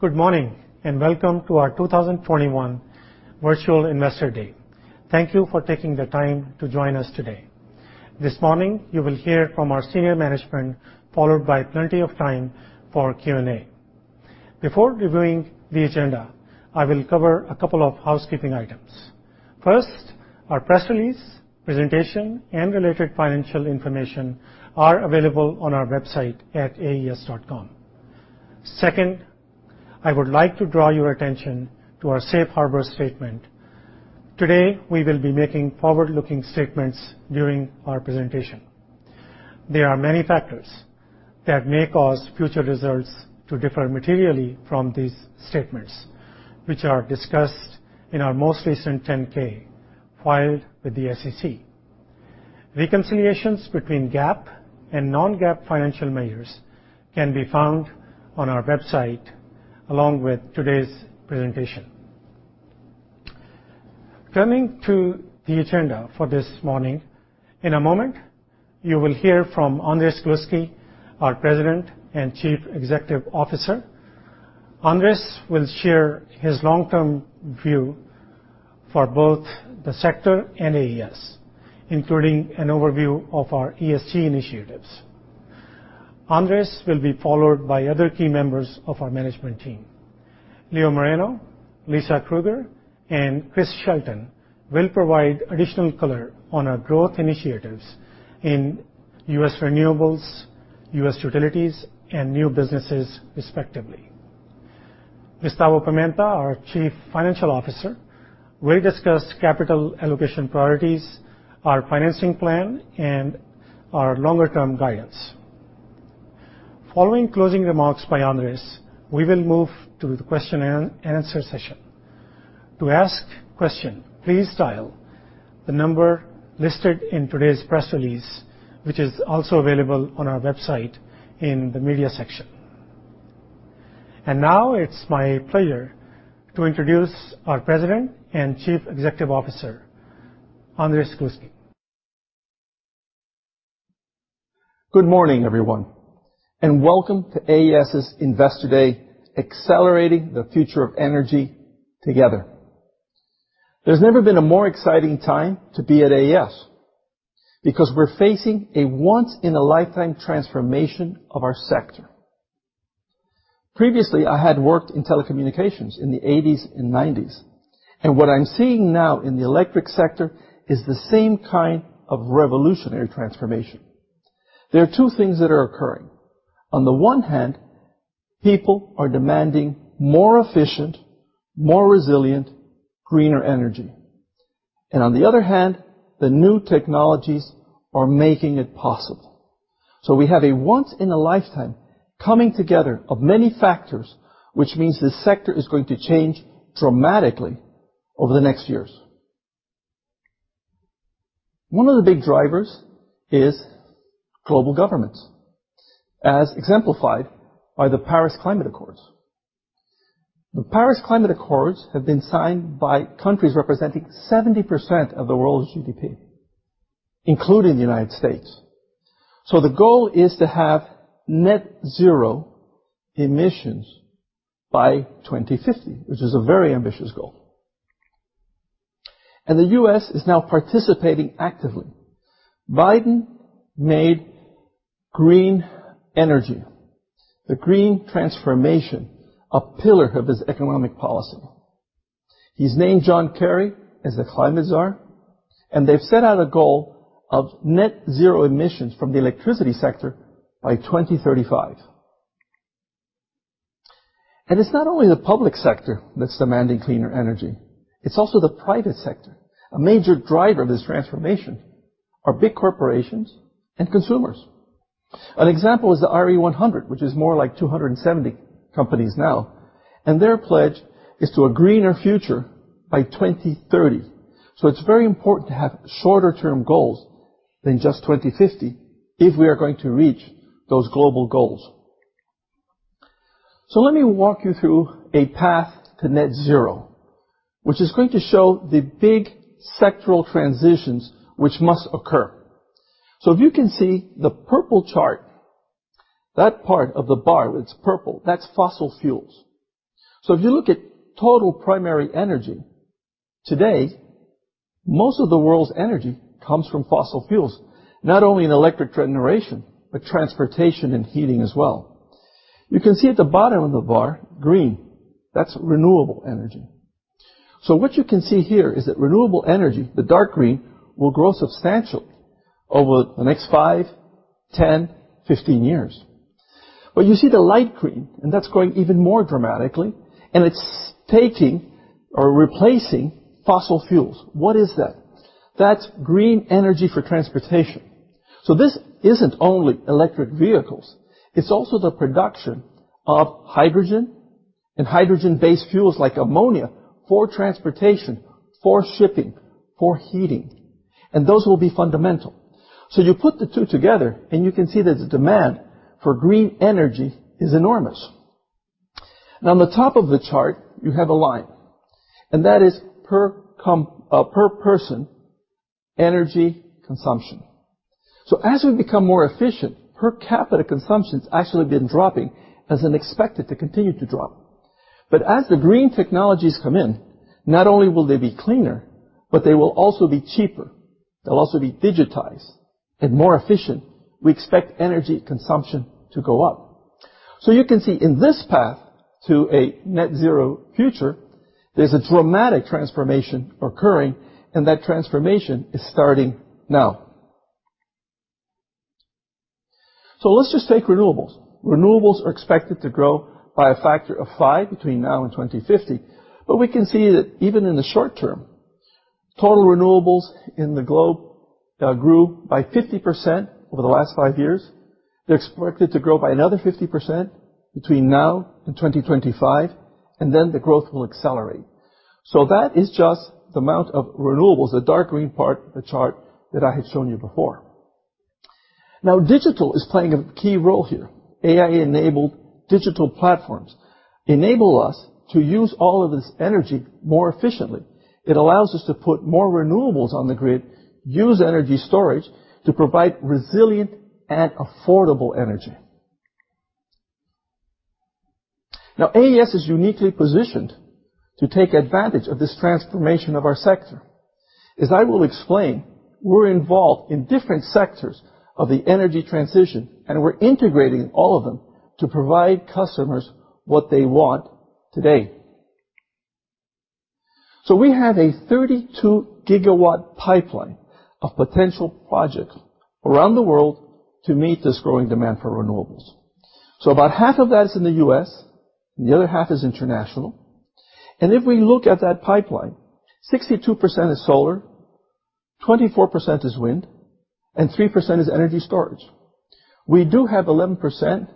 Good morning and welcome to our 2021 Virtual Investor Day. Thank you for taking the time to join us today. This morning, you will hear from our senior management, follo ewed by plenty of time for Q&A. Before reviewing the agenda, I will cover a couple of housekeeping items. First, our press release, presentation, and related financial information are available on our website at aes.com. Second, I would like to draw your attention to our safe harbor statement. Today, we will be making forward-looking statements during our presentation. There are many factors that may cause future results to differ materially from these statements, which are discussed in our most recent 10-K, filed with the SEC. Reconciliations between GAAP and non-GAAP financial measures can be found on our website, along with today's presentation. Turning to the agenda for this morning, in a moment, you will hear from Andrés Gluski, our President and Chief Executive Officer. Andrés will share his long-term view for both the sector and AES, including an overview of our ESG initiatives. Andrés will be followed by other key members of our management team. Leo Moreno, Lisa Krueger, and Chris Shelton will provide additional color on our growth initiatives in U.S. renewables, U.S. utilities, and new businesses, respectively. Gustavo Pimenta, our Chief Financial Officer, will discuss capital allocation priorities, our financing plan, and our longer-term guidance. Following closing remarks by Andrés, we will move to the question-and-answer session. To ask questions, please dial the number listed in today's press release, which is also available on our website in the media section. And now, it's my pleasure to introduce our President and Chief Executive Officer, Andrés Gluski. Good morning, everyone, and welcome to AES's Investor Day: Accelerating the Future of Energy Together. There's never been a more exciting time to be at AES because we're facing a once-in-a-lifetime transformation of our sector. Previously, I had worked in telecommunications in the '80s and '90s, and what I'm seeing now in the electric sector is the same kind of revolutionary transformation. There are two things that are occurring. On the one hand, people are demanding more efficient, more resilient, greener energy. And on the other hand, the new technologies are making it possible. So we have a once-in-a-lifetime coming together of many factors, which means the sector is going to change dramatically over the next years. One of the big drivers is global governments, as exemplified by the Paris Climate Accords. The Paris Climate Accords have been signed by countries representing 70% of the world's GDP, including the United States. So the goal is to have net-zero emissions by 2050, which is a very ambitious goal. And the U.S. is now participating actively. Biden made green energy, the green transformation, a pillar of his economic policy. He's named John Kerry as the climate czar, and they've set out a goal of net-zero emissions from the electricity sector by 2035. And it's not only the public sector that's demanding cleaner energy. It's also the private sector. A major driver of this transformation are big corporations and consumers. An example is the RE100, which is more like 270 companies now, and their pledge is to a greener future by 2030. So it's very important to have shorter-term goals than just 2050 if we are going to reach those global goals. So let me walk you through a path to net-zero, which is going to show the big sectoral transitions which must occur. So if you can see the purple chart, that part of the bar that's purple, that's fossil fuels. So if you look at total primary energy today, most of the world's energy comes from fossil fuels, not only in electric generation, but transportation and heating as well. You can see at the bottom of the bar, green, that's renewable energy. So what you can see here is that renewable energy, the dark green, will grow substantially over the next five, 10, 15 years. But you see the light green, and that's growing even more dramatically, and it's taking or replacing fossil fuels. What is that? That's green energy for transportation. So this isn't only electric vehicles. It's also the production of hydrogen and hydrogen-based fuels like ammonia for transportation, for shipping, for heating. And those will be fundamental. So you put the two together, and you can see that the demand for green energy is enormous. Now, on the top of the chart, you have a line, and that is per person energy consumption. So as we become more efficient, per capita consumption has actually been dropping as expected to continue to drop. But as the green technologies come in, not only will they be cleaner, but they will also be cheaper. They'll also be digitized and more efficient. We expect energy consumption to go up. So you can see in this path to a net-zero future, there's a dramatic transformation occurring, and that transformation is starting now. So let's just take renewables. Renewables are expected to grow by a factor of five between now and 2050. But we can see that even in the short term, total renewables in the globe grew by 50% over the last five years. They're expected to grow by another 50% between now and 2025, and then the growth will accelerate. So that is just the amount of renewables, the dark green part of the chart that I had shown you before. Now, digital is playing a key role here. AI-enabled digital platforms enable us to use all of this energy more efficiently. It allows us to put more renewables on the grid, use energy storage to provide resilient and affordable energy. Now, AES is uniquely positioned to take advantage of this transformation of our sector. As I will explain, we're involved in different sectors of the energy transition, and we're integrating all of them to provide customers what they want today. So we have a 32 GW pipeline of potential projects around the world to meet this growing demand for renewables. So about half of that is in the U.S., and the other half is international. And if we look at that pipeline, 62% is solar, 24% is wind, and 3% is energy storage. We do have 11%,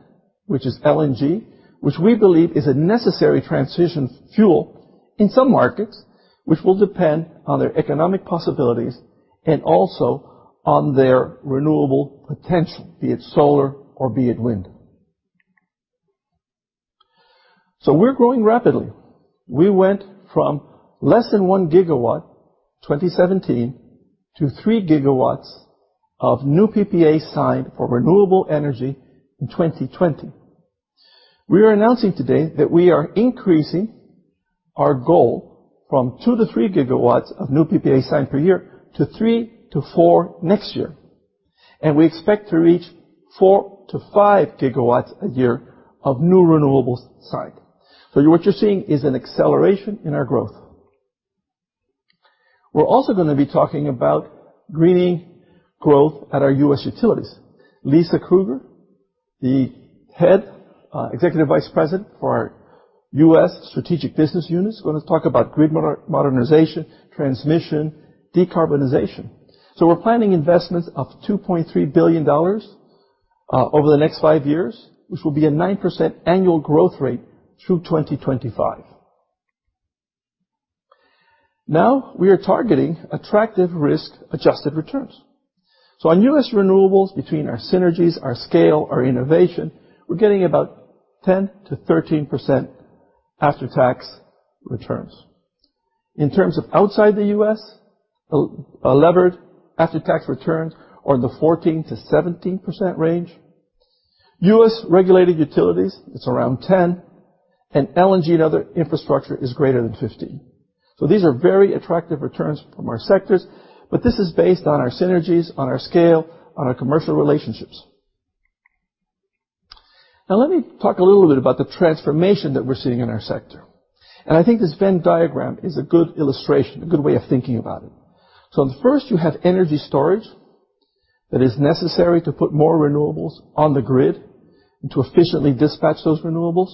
which is LNG, which we believe is a necessary transition fuel in some markets, which will depend on their economic possibilities and also on their renewable potential, be it solar or be it wind. So we're growing rapidly. We went from less than 1 GW in 2017 to 3 GW of new PPA signed for renewable energy in 2020. We are announcing today that we are increasing our goal from 2-3 GW of new PPA signed per year to 3-4 next year. And we expect to reach 4-5 GW a year of new renewables signed. So what you're seeing is an acceleration in our growth. We're also going to be talking about greening growth at our U.S. utilities. Lisa Krueger, Executive Vice President for our U.S. strategic business unit, is going to talk about grid modernization, transmission, decarbonization. So we're planning investments of $2.3 billion over the next five years, which will be a 9% annual growth rate through 2025. Now, we are targeting attractive risk-adjusted returns. So on U.S. renewables, between our synergies, our scale, our innovation, we're getting about 10%-13% after-tax returns. In terms of outside the U.S., a levered after-tax return is in the 14%-17% range. U.S. regulated utilities, it's around 10%, and LNG and other infrastructure is greater than 15%. So these are very attractive returns from our sectors, but this is based on our synergies, on our scale, on our commercial relationships. Now, let me talk a little bit about the transformation that we're seeing in our sector, and I think this Venn diagram is a good illustration, a good way of thinking about it, so first, you have energy storage that is necessary to put more renewables on the grid and to efficiently dispatch those renewables.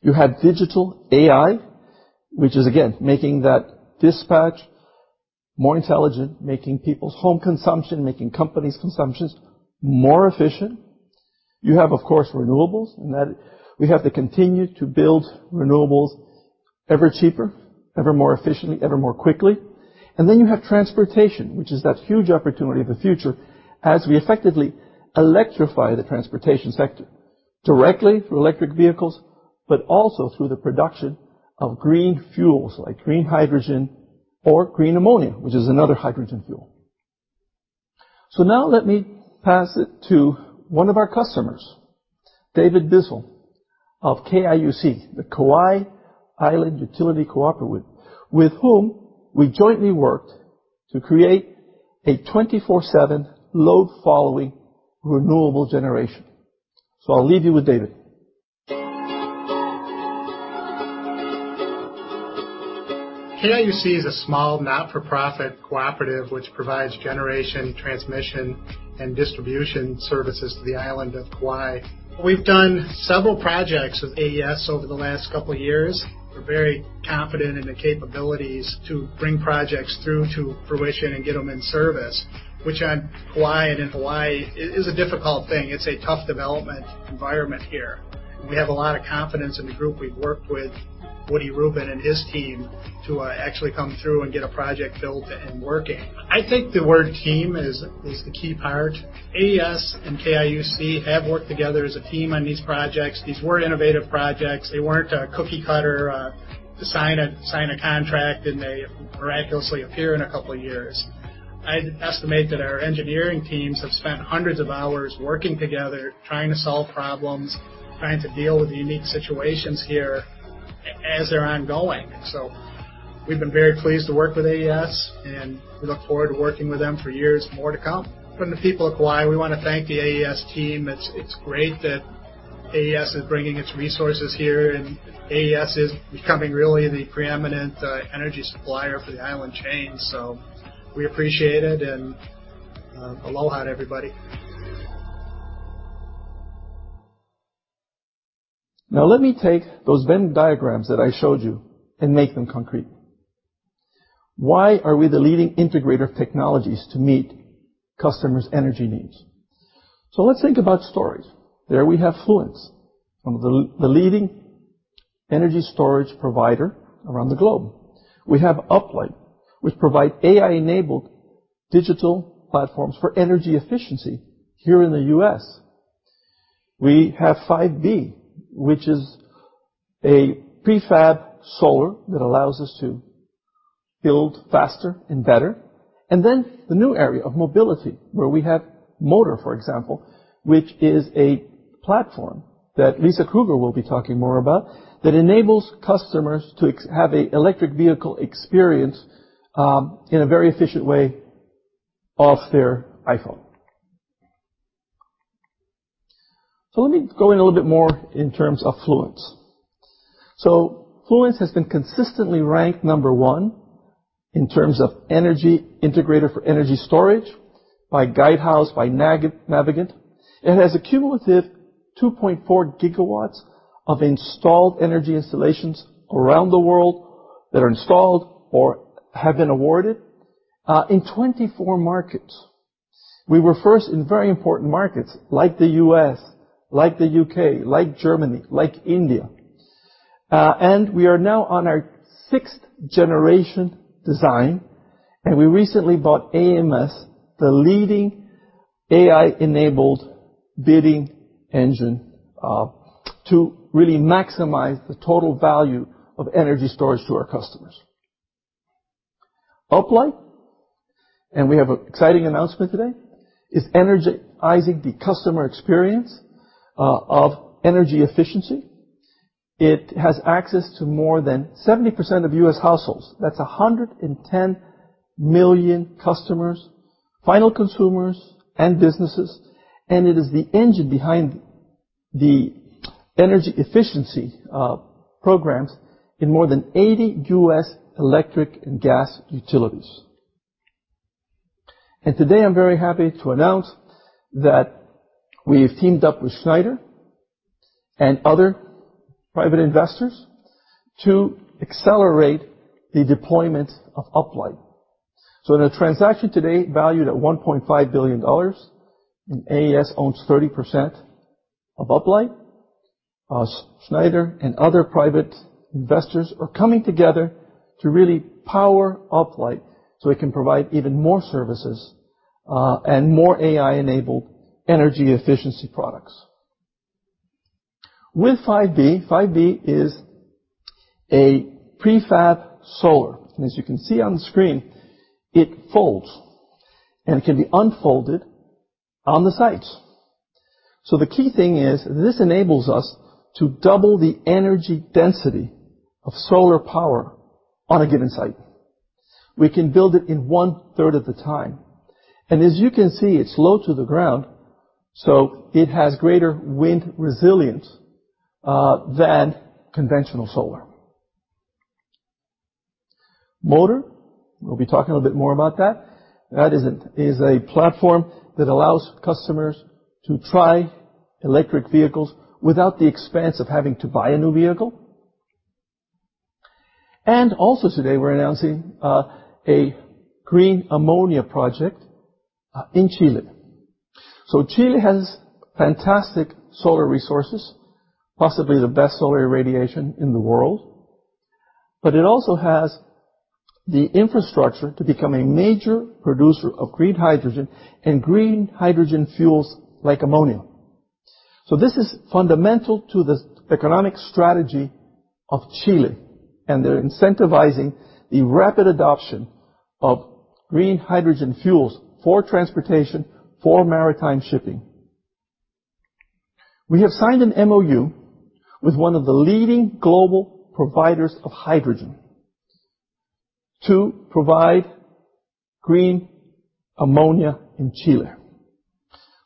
You have digital AI, which is, again, making that dispatch more intelligent, making people's home consumption, making companies' consumptions more efficient. You have, of course, renewables, and we have to continue to build renewables ever cheaper, ever more efficiently, ever more quickly. And then you have transportation, which is that huge opportunity of the future as we effectively electrify the transportation sector directly through electric vehicles, but also through the production of green fuels like green hydrogen or green ammonia, which is another hydrogen fuel. So now, let me pass it to one of our customers, David Bissell of KIUC, the Kauai Island Utility Cooperative, with whom we jointly worked to create a 24/7 load-following renewable generation. So I'll leave you with David. KIUC is a small not-for-profit cooperative which provides generation, transmission, and distribution services to the island of Kauai. We've done several projects with AES over the last couple of years. We're very confident in the capabilities to bring projects through to fruition and get them in service, which on Kauai and in Hawaii is a difficult thing. It's a tough development environment here. We have a lot of confidence in the group we've worked with, Woody Rubin and his team, to actually come through and get a project built and working. I think the word "team" is the key part. AES and KIUC have worked together as a team on these projects. These were innovative projects. They weren't a cookie-cutter, sign a contract, and they miraculously appear in a couple of years. I'd estimate that our engineering teams have spent hundreds of hours working together, trying to solve problems, trying to deal with unique situations here as they're ongoing. So we've been very pleased to work with AES, and we look forward to working with them for years more to come. From the people of Kauai, we want to thank the AES team. It's great that AES is bringing its resources here, and AES is becoming really the preeminent energy supplier for the island chain. So we appreciate it, and aloha to everybody. Now, let me take those Venn diagrams that I showed you and make them concrete. Why are we the leading integrator of technologies to meet customers' energy needs? So let's think about storage. There we have Fluence, one of the leading energy storage providers around the globe. We have Uplight, which provides AI-enabled digital platforms for energy efficiency here in the U.S. We have 5B, which is a prefab solar that allows us to build faster and better. And then the new area of mobility, where we have Motor, for example, which is a platform that Lisa Krueger will be talking more about, that enables customers to have an electric vehicle experience in a very efficient way off their iPhone. So let me go in a little bit more in terms of Fluence. So Fluence has been consistently ranked number one in terms of energy integrator for energy storage by Guidehouse, by Navigant. It has a cumulative 2.4 gigawatts of installed energy installations around the world that are installed or have been awarded in 24 markets. We were first in very important markets like the U.S., like the U.K., like Germany, like India. And we are now on our sixth-generation design, and we recently bought AMS, the leading AI-enabled bidding engine, to really maximize the total value of energy storage to our customers. Uplight, and we have an exciting announcement today, is energizing the customer experience of energy efficiency. It has access to more than 70% of U.S. households. That's 110 million customers, final consumers, and businesses. And it is the engine behind the energy efficiency programs in more than 80 U.S. electric and gas utilities. And today, I'm very happy to announce that we have teamed up with Schneider and other private investors to accelerate the deployment of Uplight. So in a transaction today valued at $1.5 billion, AES owns 30% of Uplight. Schneider and other private investors are coming together to really power Uplight so it can provide even more services and more AI-enabled energy efficiency products. With 5B, 5B is a prefab solar. And as you can see on the screen, it folds and can be unfolded on the sites. So the key thing is this enables us to double the energy density of solar power on a given site. We can build it in one-third of the time. And as you can see, it's low to the ground, so it has greater wind resilience than conventional solar. Motor, we'll be talking a little bit more about that. That is a platform that allows customers to try electric vehicles without the expense of having to buy a new vehicle, and also today, we're announcing a green ammonia project in Chile, so Chile has fantastic solar resources, possibly the best solar radiation in the world, but it also has the infrastructure to become a major producer of green hydrogen and green hydrogen fuels like ammonia, so this is fundamental to the economic strategy of Chile, and they're incentivizing the rapid adoption of green hydrogen fuels for transportation, for maritime shipping. We have signed an MoU with one of the leading global providers of hydrogen to provide green ammonia in Chile,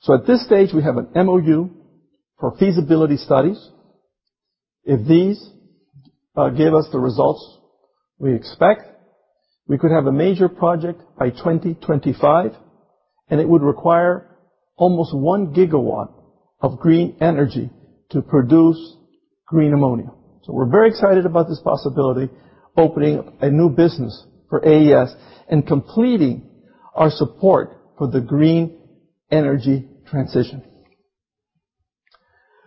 so at this stage, we have an MoU for feasibility studies. If these give us the results we expect, we could have a major project by 2025, and it would require almost one GW of green energy to produce green ammonia. We are very excited about this possibility of opening a new business for AES and completing our support for the green energy transition.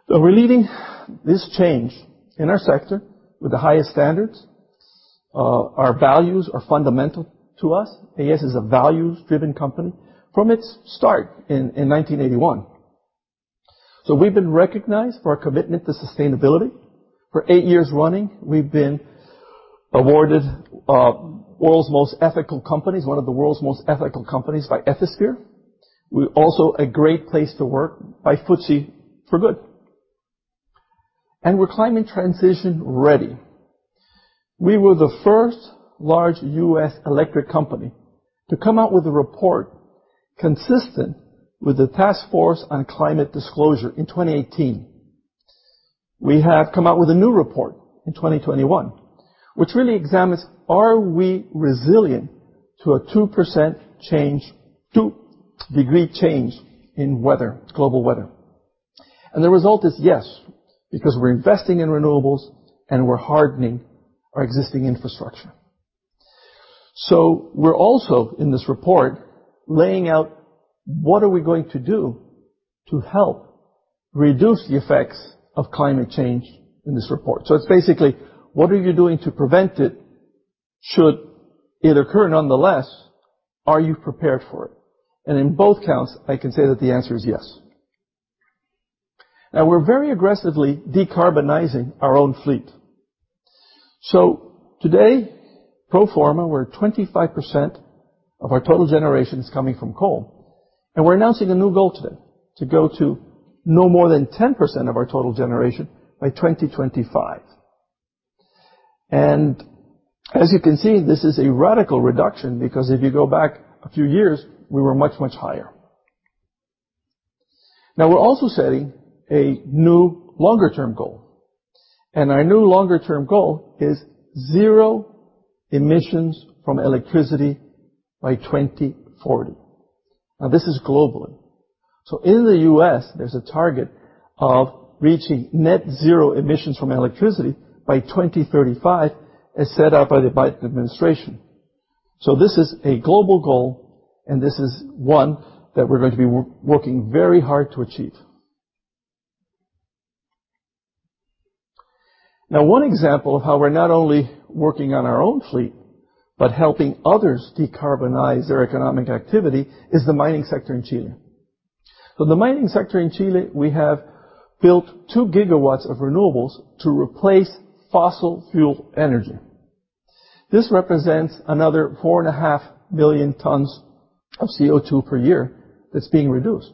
We are leading this change in our sector with the highest standards. Our values are fundamental to us. AES is a values-driven company from its start in 1981. We have been recognized for our commitment to sustainability. For eight years running, we have been awarded one of the world's most ethical companies by Ethisphere. We are also a great place to work by FTSE4Good. We are climate transition ready. We were the first large U.S. electric company to come out with a report consistent with the Task Force on Climate Disclosure in 2018. We have come out with a new report in 2021, which really examines, are we resilient to a 2-degree change in global weather? And the result is yes, because we're investing in renewables and we're hardening our existing infrastructure. So we're also in this report laying out what are we going to do to help reduce the effects of climate change in this report. So it's basically, what are you doing to prevent it? Should it occur nonetheless, are you prepared for it? And in both counts, I can say that the answer is yes. Now, we're very aggressively decarbonizing our own fleet. So today, pro forma, we're at 25% of our total generation is coming from coal. And we're announcing a new goal today to go to no more than 10% of our total generation by 2025. And as you can see, this is a radical reduction because if you go back a few years, we were much, much higher. Now, we're also setting a new longer-term goal. And our new longer-term goal is zero emissions from electricity by 2040. Now, this is globally. So in the U.S., there's a target of reaching net zero emissions from electricity by 2035 as set out by the Biden administration. So this is a global goal, and this is one that we're going to be working very hard to achieve. Now, one example of how we're not only working on our own fleet, but helping others decarbonize their economic activity is the mining sector in Chile. So in the mining sector in Chile, we have built 2 GW of renewables to replace fossil fuel energy. This represents another 4.5 million tons of CO2 per year that's being reduced.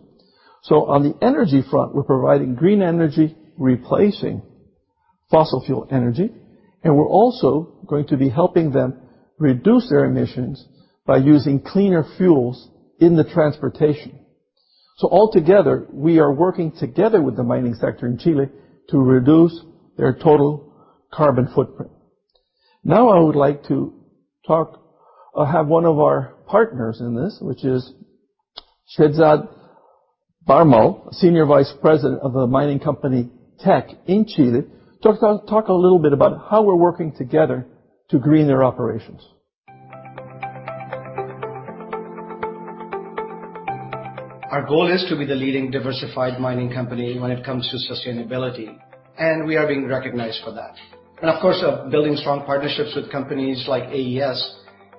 So on the energy front, we're providing green energy replacing fossil fuel energy, and we're also going to be helping them reduce their emissions by using cleaner fuels in the transportation. So altogether, we are working together with the mining sector in Chile to reduce their total carbon footprint. Now, I would like to have one of our partners in this, which is Shehzad Bharmal, Senior Vice President of the mining company Teck in Chile, talk a little bit about how we're working together to green their operations. Our goal is to be the leading diversified mining company when it comes to sustainability, and we are being recognized for that. And of course, building strong partnerships with companies like AES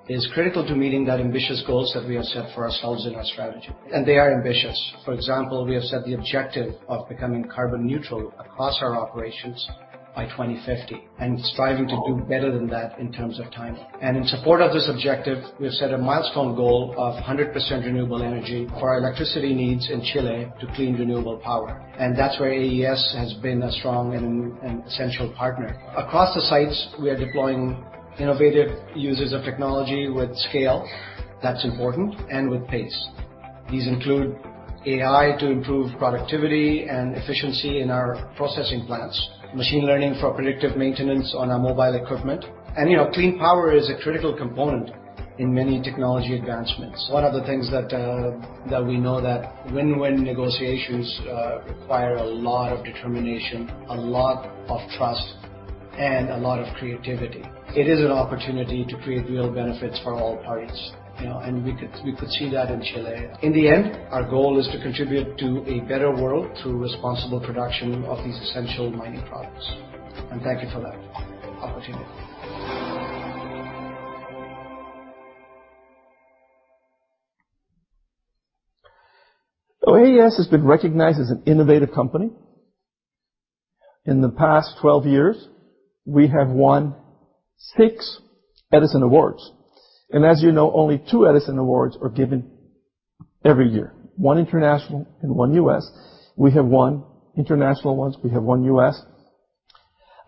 is critical to meeting that ambitious goals that we have set for ourselves in our strategy. And they are ambitious. For example, we have set the objective of becoming carbon neutral across our operations by 2050 and striving to do better than that in terms of timing. And in support of this objective, we have set a milestone goal of 100% renewable energy for our electricity needs in Chile to clean renewable power. And that's where AES has been a strong and essential partner. Across the sites, we are deploying innovative uses of technology with scale that's important and with pace. These include AI to improve productivity and efficiency in our processing plants, machine learning for predictive maintenance on our mobile equipment, and clean power is a critical component in many technology advancements. One of the things that we know that win-win negotiations require a lot of determination, a lot of trust, and a lot of creativity. It is an opportunity to create real benefits for all parties, and we could see that in Chile. In the end, our goal is to contribute to a better world through responsible production of these essential mining products, and thank you for that opportunity. AES has been recognized as an innovative company. In the past 12 years, we have won six Edison Awards. And as you know, only two Edison Awards are given every year, one international and one U.S. We have won international ones. We have won U.S.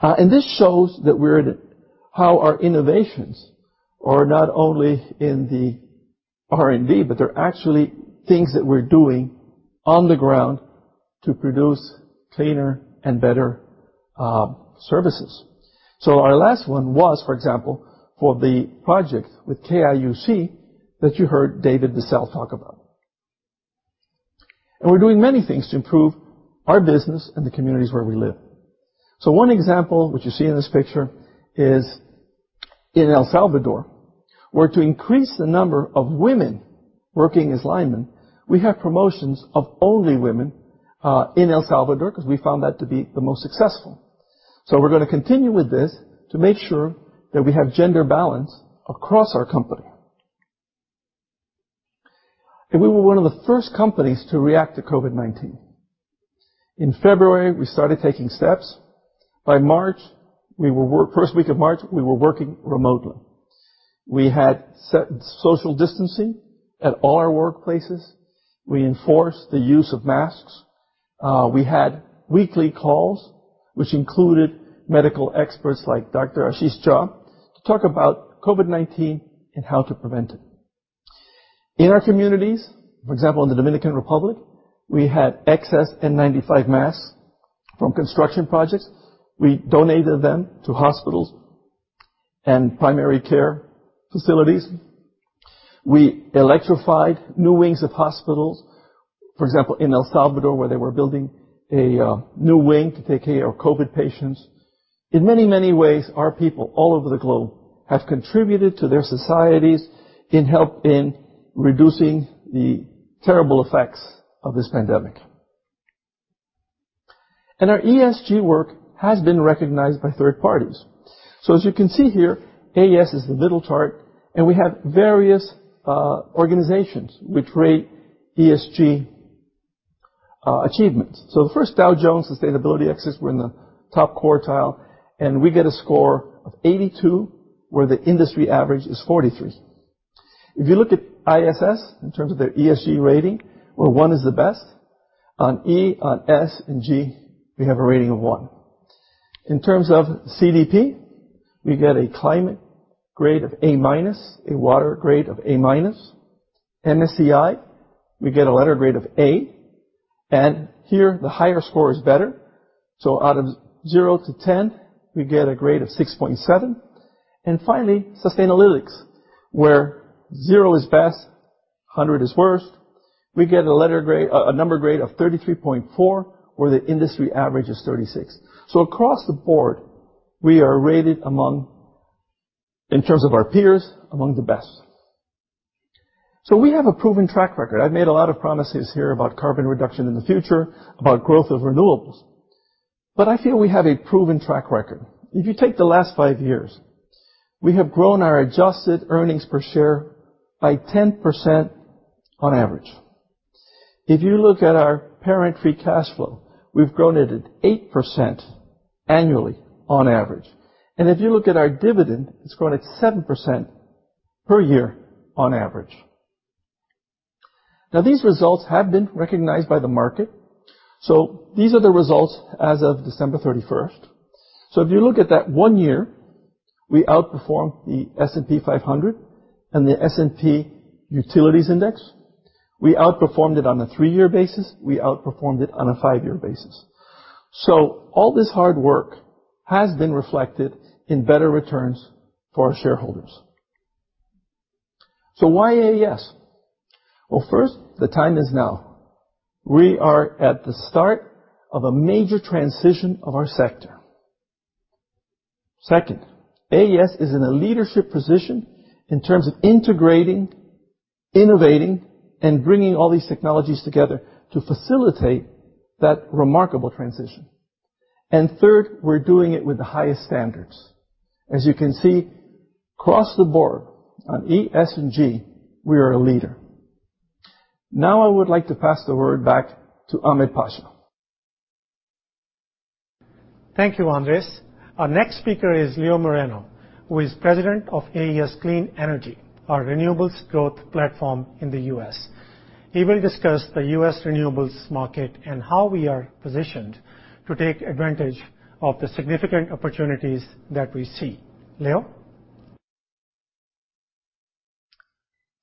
And this shows how our innovations are not only in the R&D, but they're actually things that we're doing on the ground to produce cleaner and better services. Our last one was, for example, for the project with KIUC that you heard David Bissell talk about. And we're doing many things to improve our business and the communities where we live. One example, which you see in this picture, is in El Salvador, where to increase the number of women working as linemen, we have promotions of only women in El Salvador because we found that to be the most successful. We're going to continue with this to make sure that we have gender balance across our company. We were one of the first companies to react to COVID-19. In February, we started taking steps. By March, the first week of March, we were working remotely. We had set social distancing at all our workplaces. We enforced the use of masks. We had weekly calls, which included medical experts like Dr. Ashish Jha to talk about COVID-19 and how to prevent it. In our communities, for example, in the Dominican Republic, we had excess N95 masks from construction projects. We donated them to hospitals and primary care facilities. We electrified new wings of hospitals, for example, in El Salvador, where they were building a new wing to take care of COVID patients. In many, many ways, our people all over the globe have contributed to their societies in helping to reduce the terrible effects of this pandemic. And our ESG work has been recognized by third parties. So as you can see here, AES is the middle chart, and we have various organizations which rate ESG achievements. So the first Dow Jones Sustainability Index, we're in the top quartile, and we get a score of 82, where the industry average is 43. If you look at ISS in terms of their ESG rating, where one is the best, on E, on S, and G, we have a rating of one. In terms of CDP, we get a climate grade of A-, a water grade of A-. MSCI, we get a letter grade of A. And here, the higher score is better. So out of 0 to 10, we get a grade of 6.7. And finally, sustainability, where 0 is best, 100 is worst. We get a number grade of 33.4, where the industry average is 36. So across the board, we are rated among, in terms of our peers, among the best. So we have a proven track record. I've made a lot of promises here about carbon reduction in the future, about growth of renewables. But I feel we have a proven track record. If you take the last five years, we have grown our Adjusted Earnings Per Share by 10% on average. If you look at our Parent Free Cash Flow, we've grown it at 8% annually on average. And if you look at our dividend, it's grown at 7% per year on average. Now, these results have been recognized by the market. So these are the results as of December 31st. So if you look at that one year, we outperformed the S&P 500 and the S&P Utilities Index. We outperformed it on a three-year basis. We outperformed it on a five-year basis. So all this hard work has been reflected in better returns for our shareholders. So why AES? Well, first, the time is now. We are at the start of a major transition of our sector. Second, AES is in a leadership position in terms of integrating, innovating, and bringing all these technologies together to facilitate that remarkable transition. And third, we're doing it with the highest standards. As you can see, across the board, on E, S, and G, we are a leader. Now, I would like to pass the word back to Ahmed Pasha. Thank you, Andrés. Our next speaker is Leo Moreno, who is President of AES Clean Energy, our renewables growth platform in the U.S.. He will discuss the U.S. renewables market and how we are positioned to take advantage of the significant opportunities that we see. Leo?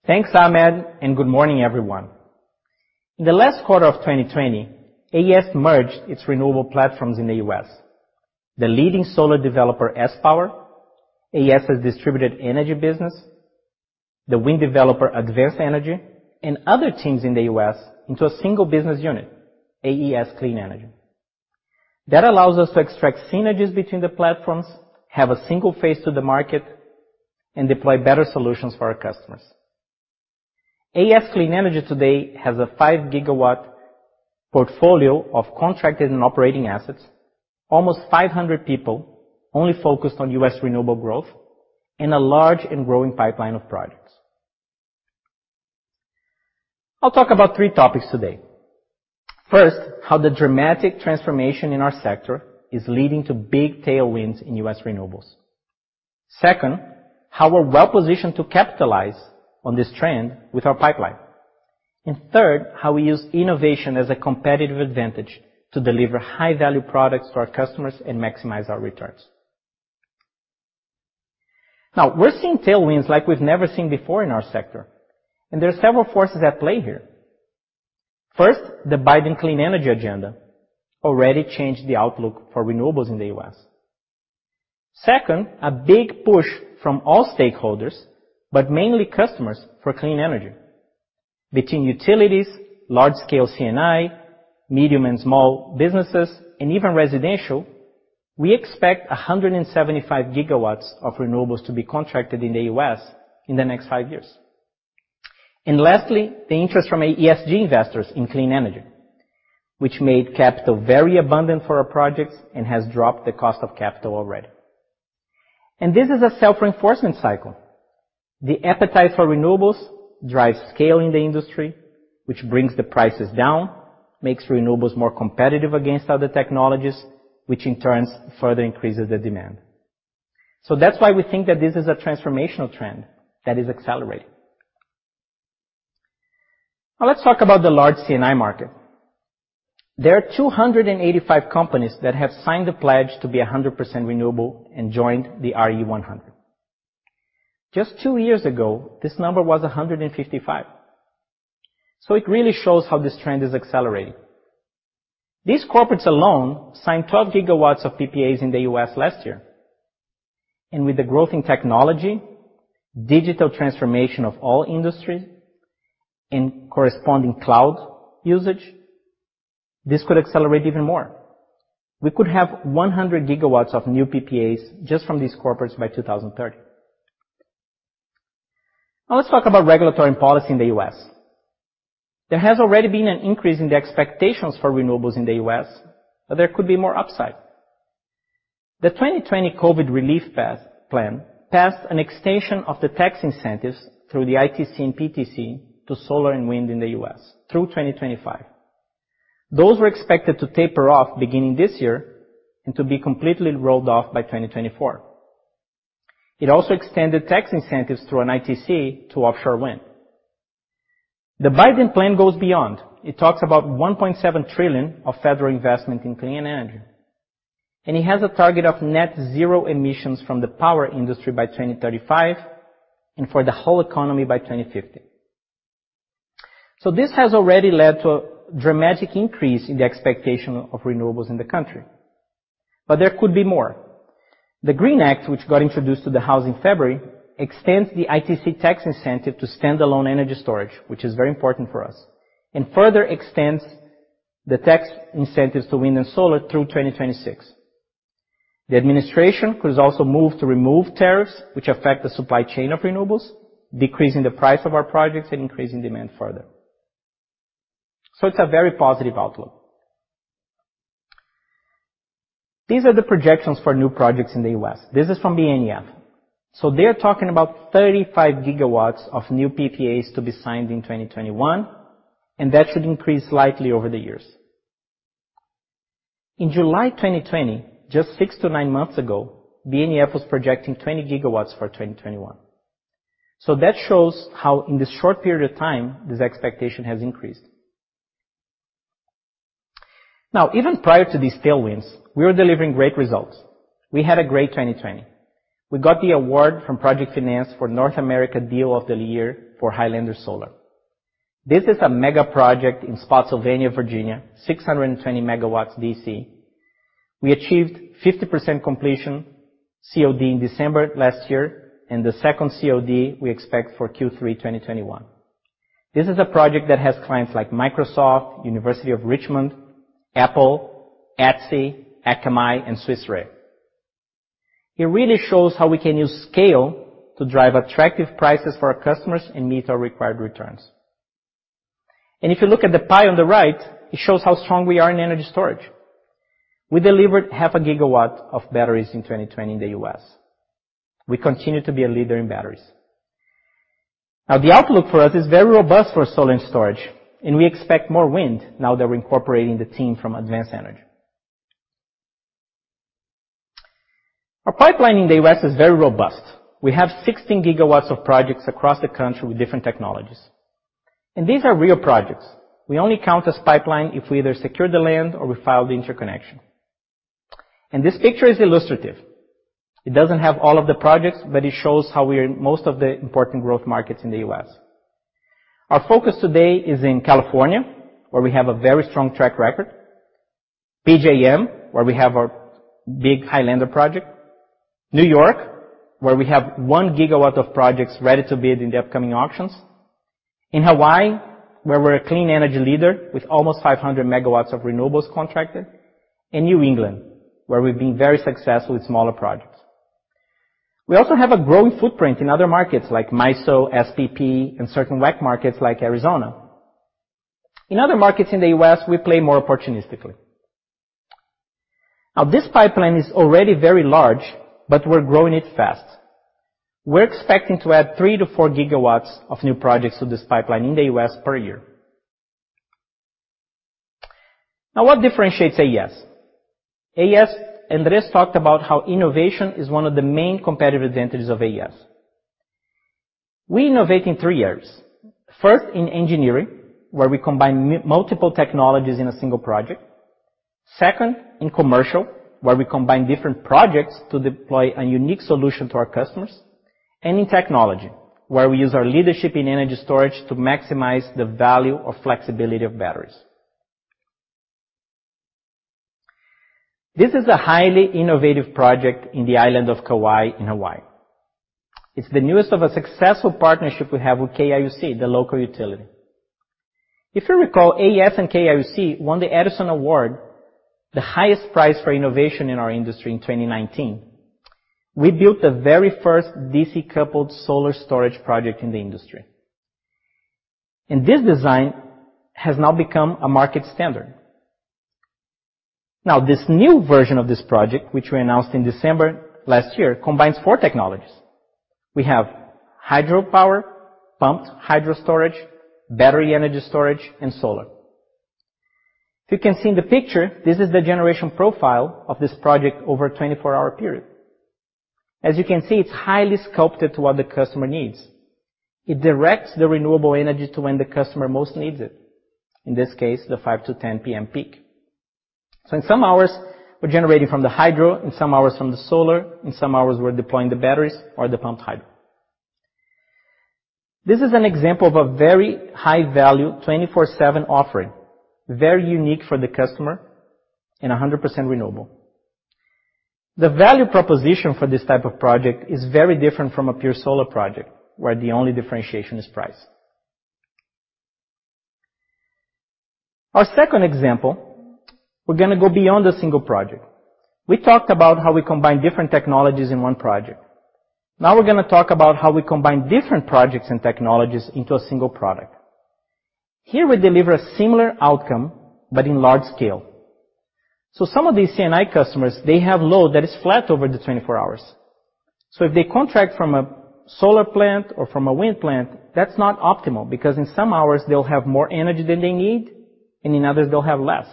Thanks, Ahmed, and good morning, everyone. In the last quarter of 2020, AES merged its renewable platforms in the U.S. The leading solar developer, sPower, AES's distributed energy business, the wind developer, Advance Energy, and other teams in the U.S. into a single business unit, AES Clean Energy. That allows us to extract synergies between the platforms, have a single face to the market, and deploy better solutions for our customers. AES Clean Energy today has a 5 GW portfolio of contracted and operating assets, almost 500 people only focused on U.S. renewable growth, and a large and growing pipeline of projects. I'll talk about three topics today. First, how the dramatic transformation in our sector is leading to big tailwinds in U.S. renewables. Second, how we're well positioned to capitalize on this trend with our pipeline. Third, how we use innovation as a competitive advantage to deliver high-value products to our customers and maximize our returns. Now, we're seeing tailwinds like we've never seen before in our sector, and there are several forces at play here. First, the Biden clean energy agenda already changed the outlook for renewables in the U.S. Second, a big push from all stakeholders, but mainly customers, for clean energy. Between utilities, large-scale C&I, medium and small businesses, and even residential, we expect 175 gigawatts of renewables to be contracted in the U.S. in the next five years. And lastly, the interest from ESG investors in clean energy, which made capital very abundant for our projects and has dropped the cost of capital already. And this is a self-reinforcement cycle. The appetite for renewables drives scale in the industry, which brings the prices down, makes renewables more competitive against other technologies, which in turn further increases the demand. So that's why we think that this is a transformational trend that is accelerating. Now, let's talk about the large C&I market. There are 285 companies that have signed the pledge to be 100% renewable and joined the RE100. Just two years ago, this number was 155. So it really shows how this trend is accelerating. These corporates alone signed 12 GW of PPAs in the U.S. last year. And with the growth in technology, digital transformation of all industries, and corresponding cloud usage, this could accelerate even more. We could have 100 GW of new PPAs just from these corporates by 2030. Now, let's talk about regulatory policy in the U.S. There has already been an increase in the expectations for renewables in the U.S., but there could be more upside. The 2020 COVID relief plan passed an extension of the tax incentives through the ITC and PTC to solar and wind in the U.S. through 2025. Those were expected to taper off beginning this year and to be completely rolled off by 2024. It also extended tax incentives through an ITC to offshore wind. The Biden plan goes beyond. It talks about $1.7 trillion of federal investment in clean energy, and it has a target of net zero emissions from the power industry by 2035 and for the whole economy by 2050, so this has already led to a dramatic increase in the expectation of renewables in the country. But there could be more. The GREEN Act, which got introduced to the House in February, extends the ITC tax incentive to standalone energy storage, which is very important for us, and further extends the tax incentives to wind and solar through 2026. The administration could also move to remove tariffs, which affect the supply chain of renewables, decreasing the price of our projects and increasing demand further. So it's a very positive outlook. These are the projections for new projects in the U.S. This is from the BNEF. So they are talking about 35 GW of new PPAs to be signed in 2021, and that should increase slightly over the years. In July 2020, just six to nine months ago, the BNEF was projecting 20 GW for 2021. So that shows how in this short period of time, this expectation has increased. Now, even prior to these tailwinds, we were delivering great results. We had a great 2020. We got the award from Project Finance for North America Deal of the Year for Highlander Solar. This is a mega project in Spotsylvania, Virginia, 620 MWdc. We achieved 50% completion COD in December last year, and the second COD we expect for Q3 2021. This is a project that has clients like Microsoft, University of Richmond, Apple, Etsy, Akamai, and Swiss Re. It really shows how we can use scale to drive attractive prices for our customers and meet our required returns. And if you look at the pie on the right, it shows how strong we are in energy storage. We delivered 0.5 GW of batteries in 2020 in the U.S. We continue to be a leader in batteries. Now, the outlook for us is very robust for solar and storage, and we expect more wind now that we're incorporating the team from Advance Energy. Our pipeline in the U.S. is very robust. We have 16 GW of projects across the country with different technologies, and these are real projects. We only count as pipeline if we either secure the land or we file the interconnection, and this picture is illustrative. It doesn't have all of the projects, but it shows how we are in most of the important growth markets in the U.S. Our focus today is in California, where we have a very strong track record, PJM, where we have our big Highlander project, New York, where we have one gigawatt of projects ready to bid in the upcoming auctions, in Hawaii, where we're a clean energy leader with almost 500 MW of renewables contracted, and New England, where we've been very successful with smaller projects. We also have a growing footprint in other markets like MISO, SPP, and certain WECC markets like Arizona. In other markets in the U.S., we play more opportunistically. Now, this pipeline is already very large, but we're growing it fast. We're expecting to add three to four gigawatts of new projects to this pipeline in the U.S. per year. Now, what differentiates AES? AES, Andrés talked about how innovation is one of the main competitive advantages of AES. We innovate in three areas. First, in engineering, where we combine multiple technologies in a single project. Second, in commercial, where we combine different projects to deploy a unique solution to our customers, and in technology, where we use our leadership in energy storage to maximize the value of flexibility of batteries. This is a highly innovative project in the island of Kauai in Hawaii. It's the newest of a successful partnership we have with KIUC, the local utility. If you recall, AES and KIUC won the Edison Award, the highest prize for innovation in our industry in 2019. We built the very first DC-coupled solar storage project in the industry, and this design has now become a market standard. Now, this new version of this project, which we announced in December last year, combines four technologies. We have hydropower, pumped hydro storage, battery energy storage, and solar. If you can see in the picture, this is the generation profile of this project over a 24-hour period. As you can see, it's highly sculpted to what the customer needs. It directs the renewable energy to when the customer most needs it, in this case, the 5:00 P.M. to 10:00 P.M. peak. So in some hours, we're generating from the hydro, in some hours from the solar, in some hours we're deploying the batteries or the pumped hydro. This is an example of a very high-value, 24/7 offering, very unique for the customer and 100% renewable. The value proposition for this type of project is very different from a pure solar project, where the only differentiation is price. Our second example, we're going to go beyond a single project. We talked about how we combine different technologies in one project. Now we're going to talk about how we combine different projects and technologies into a single product. Here we deliver a similar outcome, but in large scale. So some of these C&I customers, they have load that is flat over the 24 hours. So if they contract from a solar plant or from a wind plant, that's not optimal because in some hours they'll have more energy than they need, and in others they'll have less.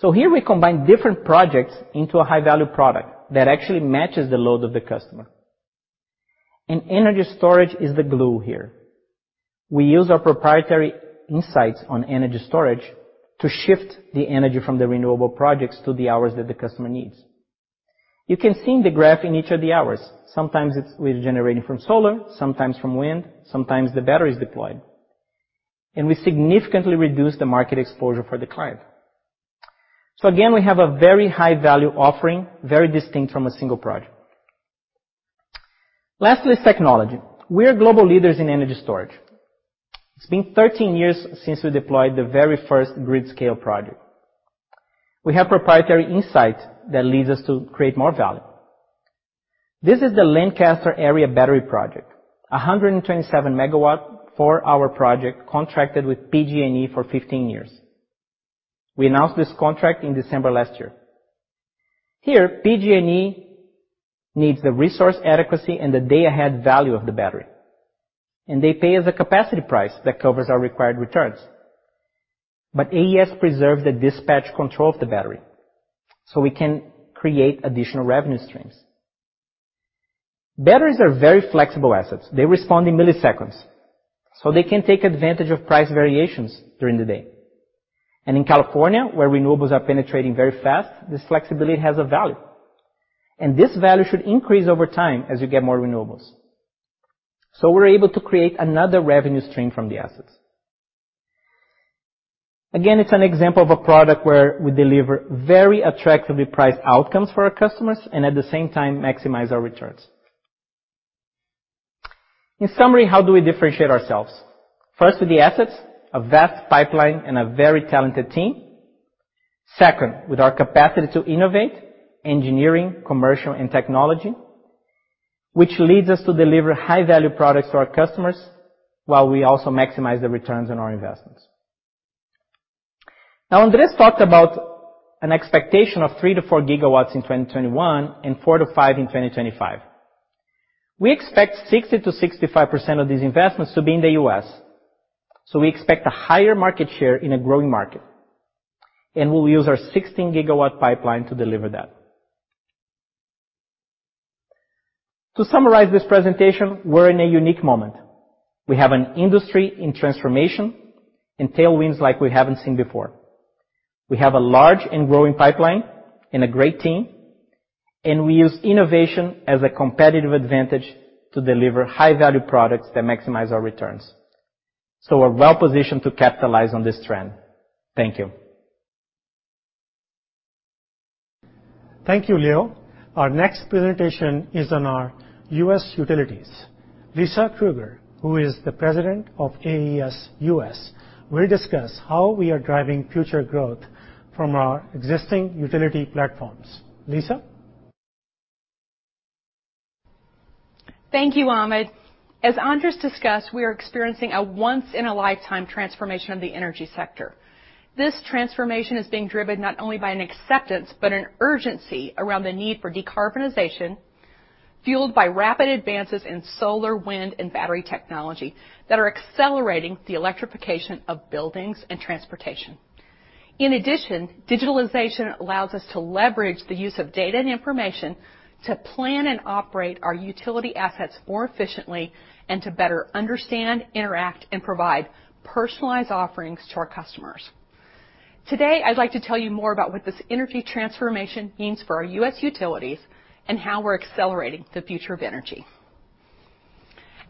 So here we combine different projects into a high-value product that actually matches the load of the customer. And energy storage is the glue here. We use our proprietary insights on energy storage to shift the energy from the renewable projects to the hours that the customer needs. You can see in the graph, in each of the hours. Sometimes we're generating from solar, sometimes from wind, sometimes the battery is deployed. We significantly reduce the market exposure for the client. So again, we have a very high-value offering, very distinct from a single project. Lastly, it's technology. We are global leaders in energy storage. It's been 13 years since we deployed the very first grid-scale project. We have proprietary insight that leads us to create more value. This is the Lancaster Area Battery Project, a 127 MW, 4-hour project contracted with PG&E for 15 years. We announced this contract in December last year. Here, PG&E needs the resource adequacy and the day-ahead value of the battery. They pay us a capacity price that covers our required returns. AES preserves the dispatch control of the battery, so we can create additional revenue streams. Batteries are very flexible assets. They respond in milliseconds, so they can take advantage of price variations during the day. And in California, where renewables are penetrating very fast, this flexibility has a value. And this value should increase over time as you get more renewables. So we're able to create another revenue stream from the assets. Again, it's an example of a product where we deliver very attractively priced outcomes for our customers and at the same time maximize our returns. In summary, how do we differentiate ourselves? First, with the assets, a vast pipeline, and a very talented team. Second, with our capacity to innovate engineering, commercial, and technology, which leads us to deliver high-value products to our customers while we also maximize the returns on our investments. Now, Andrés talked about an expectation of 3-4 GW in 2021 and 4-5 in 2025. We expect 60%-65% of these investments to be in the U.S. We expect a higher market share in a growing market. And we'll use our 16 GW pipeline to deliver that. To summarize this presentation, we're in a unique moment. We have an industry in transformation and tailwinds like we haven't seen before. We have a large and growing pipeline and a great team. And we use innovation as a competitive advantage to deliver high-value products that maximize our returns. So we're well-positioned to capitalize on this trend. Thank you. Thank you, Leo. Our next presentation is on our U.S. utilities. Lisa Krueger, who is the President of AES U.S., will discuss how we are driving future growth from our existing utility platforms. Lisa. Thank you, Ahmed. As Andrés discussed, we are experiencing a once-in-a-lifetime transformation of the energy sector. This transformation is being driven not only by an acceptance, but an urgency around the need for decarbonization fueled by rapid advances in solar, wind, and battery technology that are accelerating the electrification of buildings and transportation. In addition, digitalization allows us to leverage the use of data and information to plan and operate our utility assets more efficiently and to better understand, interact, and provide personalized offerings to our customers. Today, I'd like to tell you more about what this energy transformation means for our U.S. utilities and how we're accelerating the future of energy.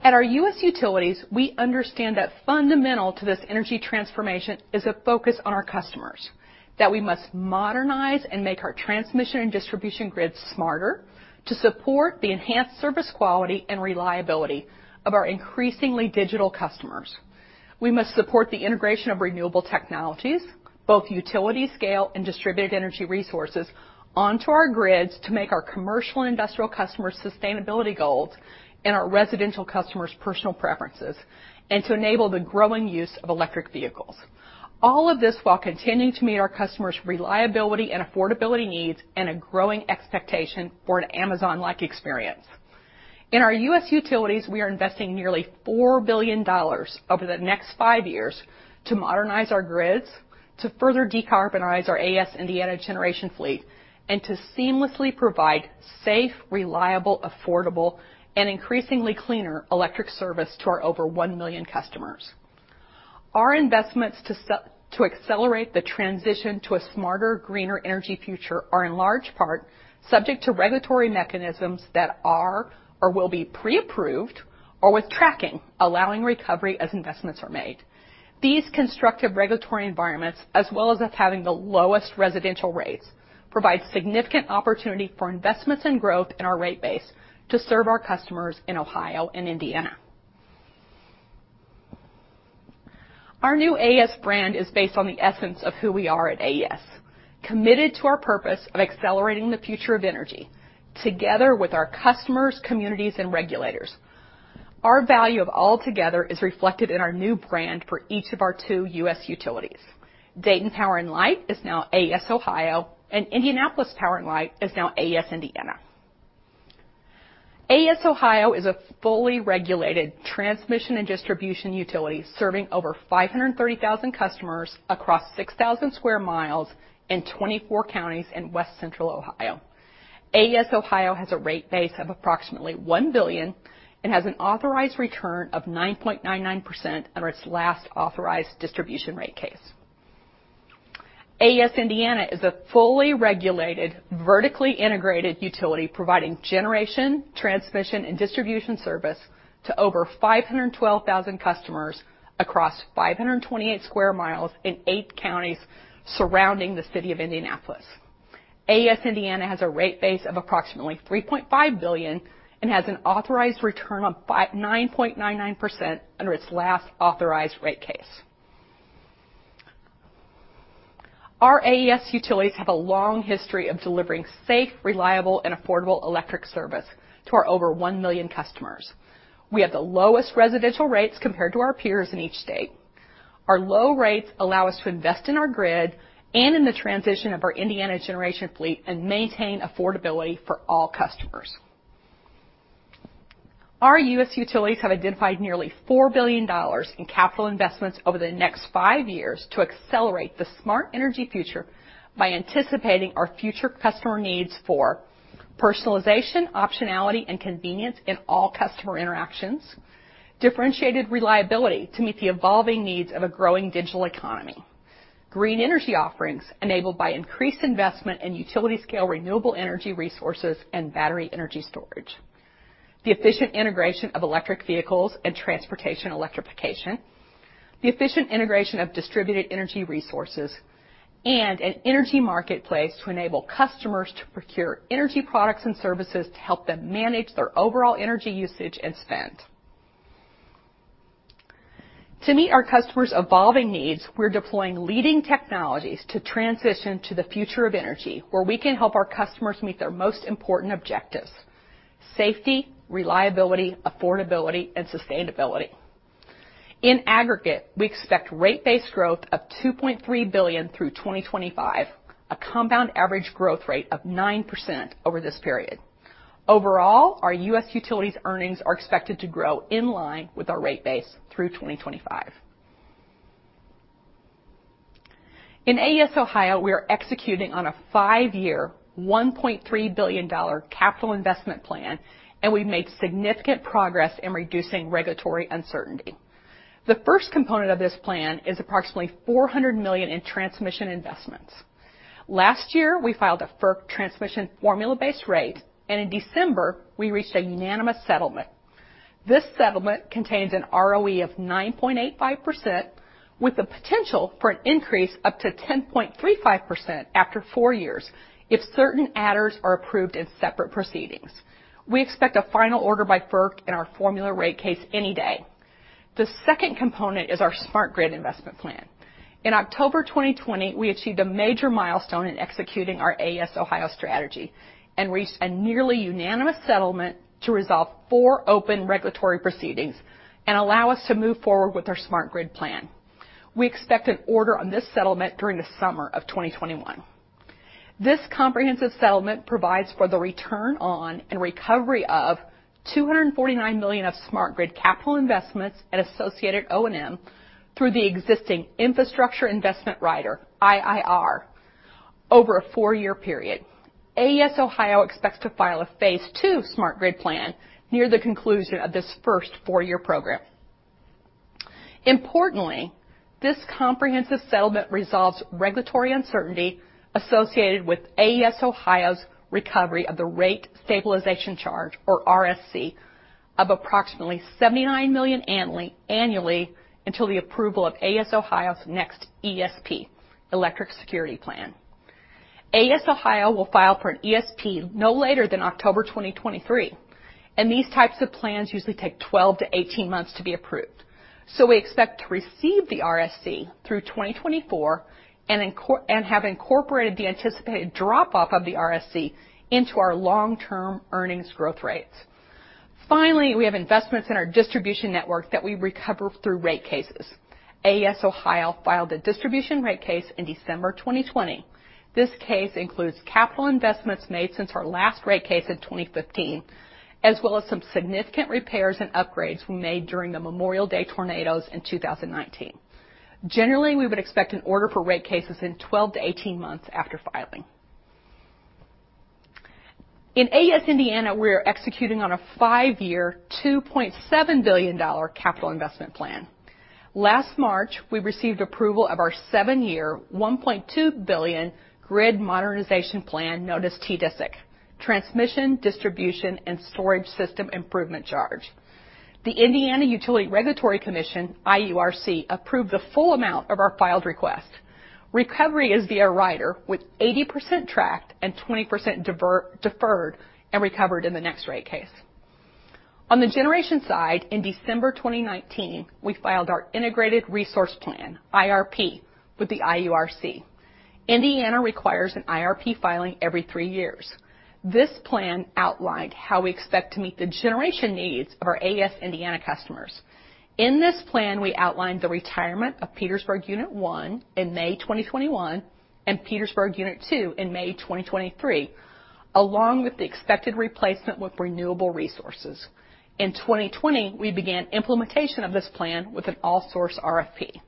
At our U.S. utilities, we understand that fundamental to this energy transformation is a focus on our customers, that we must modernize and make our transmission and distribution grids smarter to support the enhanced service quality and reliability of our increasingly digital customers. We must support the integration of renewable technologies, both utility scale and distributed energy resources, onto our grids to make our commercial and industrial customers' sustainability goals and our residential customers' personal preferences, and to enable the growing use of electric vehicles. All of this while continuing to meet our customers' reliability and affordability needs and a growing expectation for an Amazon-like experience. In our U.S. utilities, we are investing nearly $4 billion over the next five years to modernize our grids, to further decarbonize our AES Indiana generation fleet, and to seamlessly provide safe, reliable, affordable, and increasingly cleaner electric service to our over one million customers. Our investments to accelerate the transition to a smarter, greener energy future are in large part subject to regulatory mechanisms that are or will be pre-approved or with tracking allowing recovery as investments are made. These constructive regulatory environments, as well as having the lowest residential rates, provide significant opportunity for investments and growth in our rate base to serve our customers in Ohio and Indiana. Our new AES brand is based on the essence of who we are at AES, committed to our purpose of accelerating the future of energy together with our customers, communities, and regulators. Our value of all together is reflected in our new brand for each of our two U.S. utilities. Dayton Power & Light is now AES Ohio, and Indianapolis Power & Light is now AES Indiana. AES Ohio is a fully regulated transmission and distribution utility serving over 530,000 customers across 6,000 sq mi in 24 counties in West Central Ohio. AES Ohio has a rate base of approximately $1 billion and has an authorized return of 9.99% under its last authorized distribution rate case. AES Indiana is a fully regulated, vertically integrated utility providing generation, transmission, and distribution service to over 512,000 customers across 528 sq mi in eight counties surrounding the city of Indianapolis. AES Indiana has a rate base of approximately $3.5 billion and has an authorized return of 9.99% under its last authorized rate case. Our AES utilities have a long history of delivering safe, reliable, and affordable electric service to our over one million customers. We have the lowest residential rates compared to our peers in each state. Our low rates allow us to invest in our grid and in the transition of our Indiana generation fleet and maintain affordability for all customers. Our U.S. utilities have identified nearly $4 billion in capital investments over the next five years to accelerate the smart energy future by anticipating our future customer needs for personalization, optionality, and convenience in all customer interactions, differentiated reliability to meet the evolving needs of a growing digital economy, green energy offerings enabled by increased investment in utility-scale renewable energy resources and battery energy storage, the efficient integration of electric vehicles and transportation electrification, the efficient integration of distributed energy resources, and an energy marketplace to enable customers to procure energy products and services to help them manage their overall energy usage and spend. To meet our customers' evolving needs, we're deploying leading technologies to transition to the future of energy where we can help our customers meet their most important objectives: safety, reliability, affordability, and sustainability. In aggregate, we expect rate-based growth of $2.3 billion through 2025, a compound average growth rate of 9% over this period. Overall, our U.S. utilities earnings are expected to grow in line with our rate base through 2025. In AES Ohio, we are executing on a five-year, $1.3 billion capital investment plan, and we've made significant progress in reducing regulatory uncertainty. The first component of this plan is approximately $400 million in transmission investments. Last year, we filed a FERC transmission formula-based rate, and in December, we reached a unanimous settlement. This settlement contains an ROE of 9.85% with the potential for an increase up to 10.35% after four years if certain adders are approved in separate proceedings. We expect a final order by FERC in our formula rate case any day. The second component is our. In October 2020, we achieved a major milestone in executing our AES Ohio strategy and reached a nearly unanimous settlement to resolve four open regulatory proceedings and allow us to move forward with our smart grid plan. We expect an order on this settlement during the summer of 2021. This comprehensive settlement provides for the return on and recovery of $249 million of smart grid capital investments and associated O&M through the existing infrastructure investment rider, IIR, over a four-year period. AES Ohio expects to file a Phase II smart grid plan near the conclusion of this first four-year program. Importantly, this comprehensive settlement resolves regulatory uncertainty associated with AES Ohio's recovery of the rate stabilization charge, or RSC, of approximately $79 million annually until the approval of AES Ohio's next ESP, electric security plan. AES Ohio will file for an ESP no later than October 2023, and these types of plans usually take 12-18 months to be approved. So we expect to receive the RSC through 2024 and have incorporated the anticipated drop-off of the RSC into our long-term earnings growth rates. Finally, we have investments in our distribution network that we recover through rate cases. AES Ohio filed a distribution rate case in December 2020. This case includes capital investments made since our last rate case in 2015, as well as some significant repairs and upgrades we made during the Memorial Day tornadoes in 2019. Generally, we would expect an order for rate cases in 12-18 months after filing. In AES Indiana, we are executing on a five-year, $2.7 billion capital investment plan. Last March, we received approval of our seven-year, $1.2 billion grid modernization plan, known as TDSIC, transmission, distribution, and storage system improvement charge. The Indiana Utility Regulatory Commission, IURC, approved the full amount of our filed request. Recovery is via rider with 80% tracked and 20% deferred and recovered in the next rate case. On the generation side, in December 2019, we filed our integrated resource plan, IRP, with the IURC. Indiana requires an IRP filing every three years. This plan outlined how we expect to meet the generation needs of our AES Indiana customers. In this plan, we outlined the retirement of Petersburg Unit 1 in May 2021 and Petersburg Unit 2 in May 2023, along with the expected replacement with renewable resources. In 2020, we began implementation of this plan with an all-source RFP.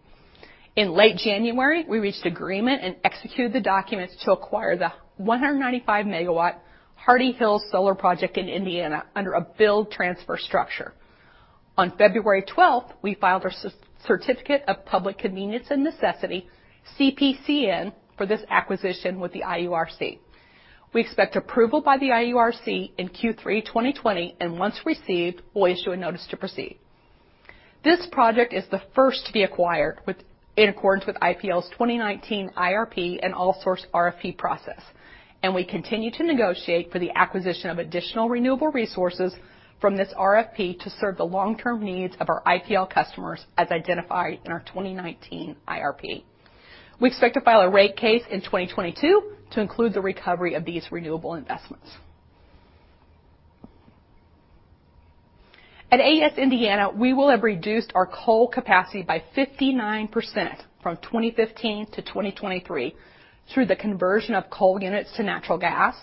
In late January, we reached agreement and executed the documents to acquire the 195 MW Hardy Hills Solar Project in Indiana under a build-transfer structure. On February 12th, we filed our Certificate of Public Convenience and Necessity, CPCN, for this acquisition with the IURC. We expect approval by the IURC in Q3 2020, and once received, we'll issue a notice to proceed. This project is the first to be acquired in accordance with IPL's 2019 IRP and all-source RFP process, and we continue to negotiate for the acquisition of additional renewable resources from this RFP to serve the long-term needs of our IPL customers as identified in our 2019 IRP. We expect to file a rate case in 2022 to include the recovery of these renewable investments. At AES Indiana, we will have reduced our coal capacity by 59% from 2015 to 2023 through the conversion of coal units to natural gas,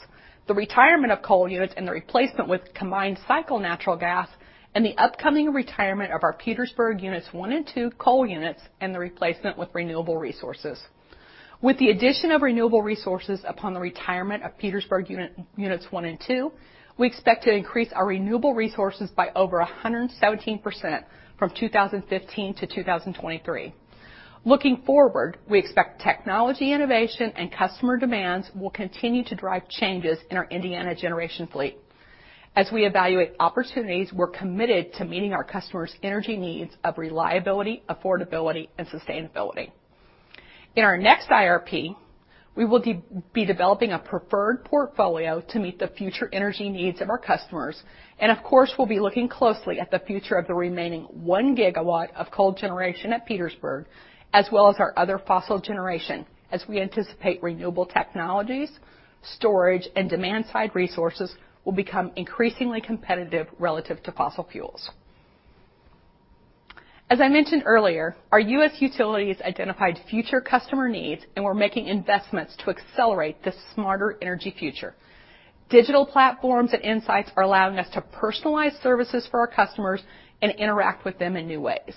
the retirement of coal units and the replacement with combined cycle natural gas, and the upcoming retirement of our Petersburg Units 1 and 2 coal units and the replacement with renewable resources. With the addition of renewable resources upon the retirement of Petersburg Units 1 and 2, we expect to increase our renewable resources by over 117% from 2015 to 2023. Looking forward, we expect technology innovation and customer demands will continue to drive changes in our Indiana generation fleet. As we evaluate opportunities, we're committed to meeting our customers' energy needs of reliability, affordability, and sustainability. In our next IRP, we will be developing a preferred portfolio to meet the future energy needs of our customers, and of course, we'll be looking closely at the future of the remaining one GW of coal generation at Petersburg, as well as our other fossil generation, as we anticipate renewable technologies, storage, and demand-side resources will become increasingly competitive relative to fossil fuels. As I mentioned earlier, our U.S. utilities identified future customer needs, and we're making investments to accelerate the smarter energy future. Digital platforms and insights are allowing us to personalize services for our customers and interact with them in new ways.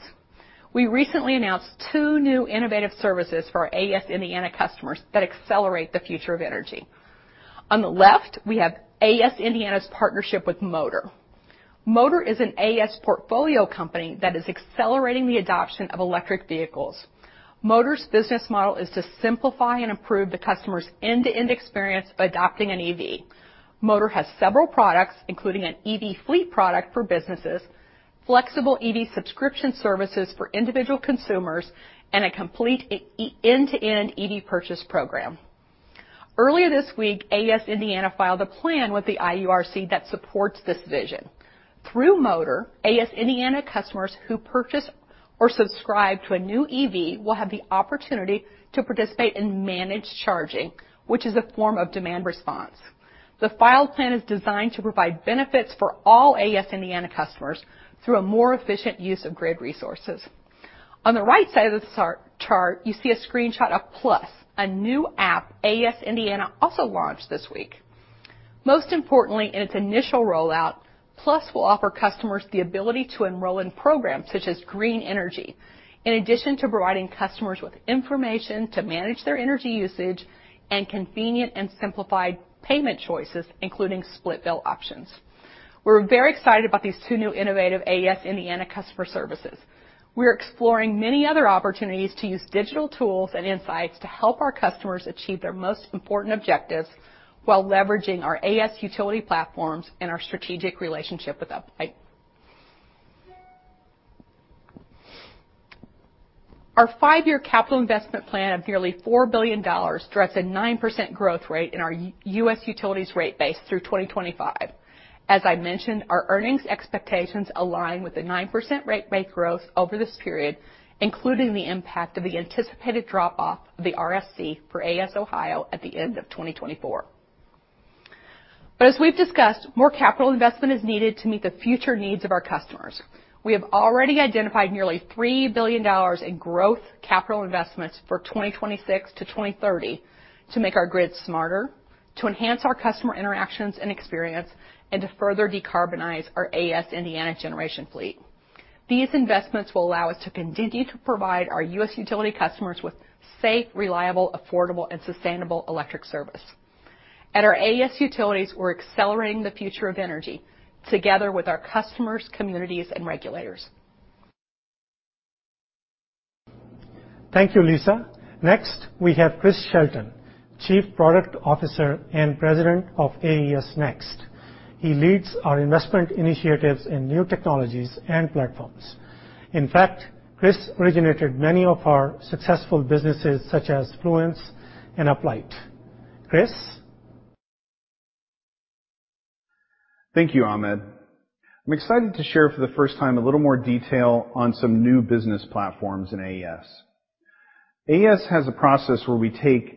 We recently announced two new innovative services for our AES Indiana customers that accelerate the future of energy. On the left, we have AES Indiana's partnership with Motor. Motor is an AES portfolio company that is accelerating the adoption of electric vehicles. Motor's business model is to simplify and improve the customer's end-to-end experience of adopting an EV. Motor has several products, including an EV fleet product for businesses, flexible EV subscription services for individual consumers, and a complete end-to-end EV purchase program. Earlier this week, AES Indiana filed a plan with the IURC that supports this vision. Through Motor, AES Indiana customers who purchase or subscribe to a new EV will have the opportunity to participate in managed charging, which is a form of demand response. The filed plan is designed to provide benefits for all AES Indiana customers through a more efficient use of grid resources. On the right side of the chart, you see a screenshot of Plus, a new app AES Indiana also launched this week. Most importantly, in its initial rollout, Plus will offer customers the ability to enroll in programs such as Green Energy, in addition to providing customers with information to manage their energy usage and convenient and simplified payment choices, including split bill options. We're very excited about these two new innovative AES Indiana customer services. We're exploring many other opportunities to use digital tools and insights to help our customers achieve their most important objectives while leveraging our AES utility platforms and our strategic relationship with them. Our five-year capital investment plan of nearly $4 billion directs a 9% growth rate in our U.S. utilities rate base through 2025. As I mentioned, our earnings expectations align with the 9% rate-based growth over this period, including the impact of the anticipated drop-off of the RSC for AES Ohio at the end of 2024. But as we've discussed, more capital investment is needed to meet the future needs of our customers. We have already identified nearly $3 billion in growth capital investments for 2026-2030 to make our grid smarter, to enhance our customer interactions and experience, and to further decarbonize our AES Indiana generation fleet. These investments will allow us to continue to provide our U.S. utility customers with safe, reliable, affordable, and sustainable electric service. At our AES utilities, we're accelerating the future of energy together with our customers, communities, and regulators. Thank you, Lisa. Next, we have Chris Shelton, Chief Product Officer and President of AES Next. He leads our investment initiatives in new technologies and platforms. In fact, Chris originated many of our successful businesses such as Fluence and Uplight. Chris? Thank you, Ahmed. I'm excited to share for the first time a little more detail on some new business platforms in AES. AES has a process where we take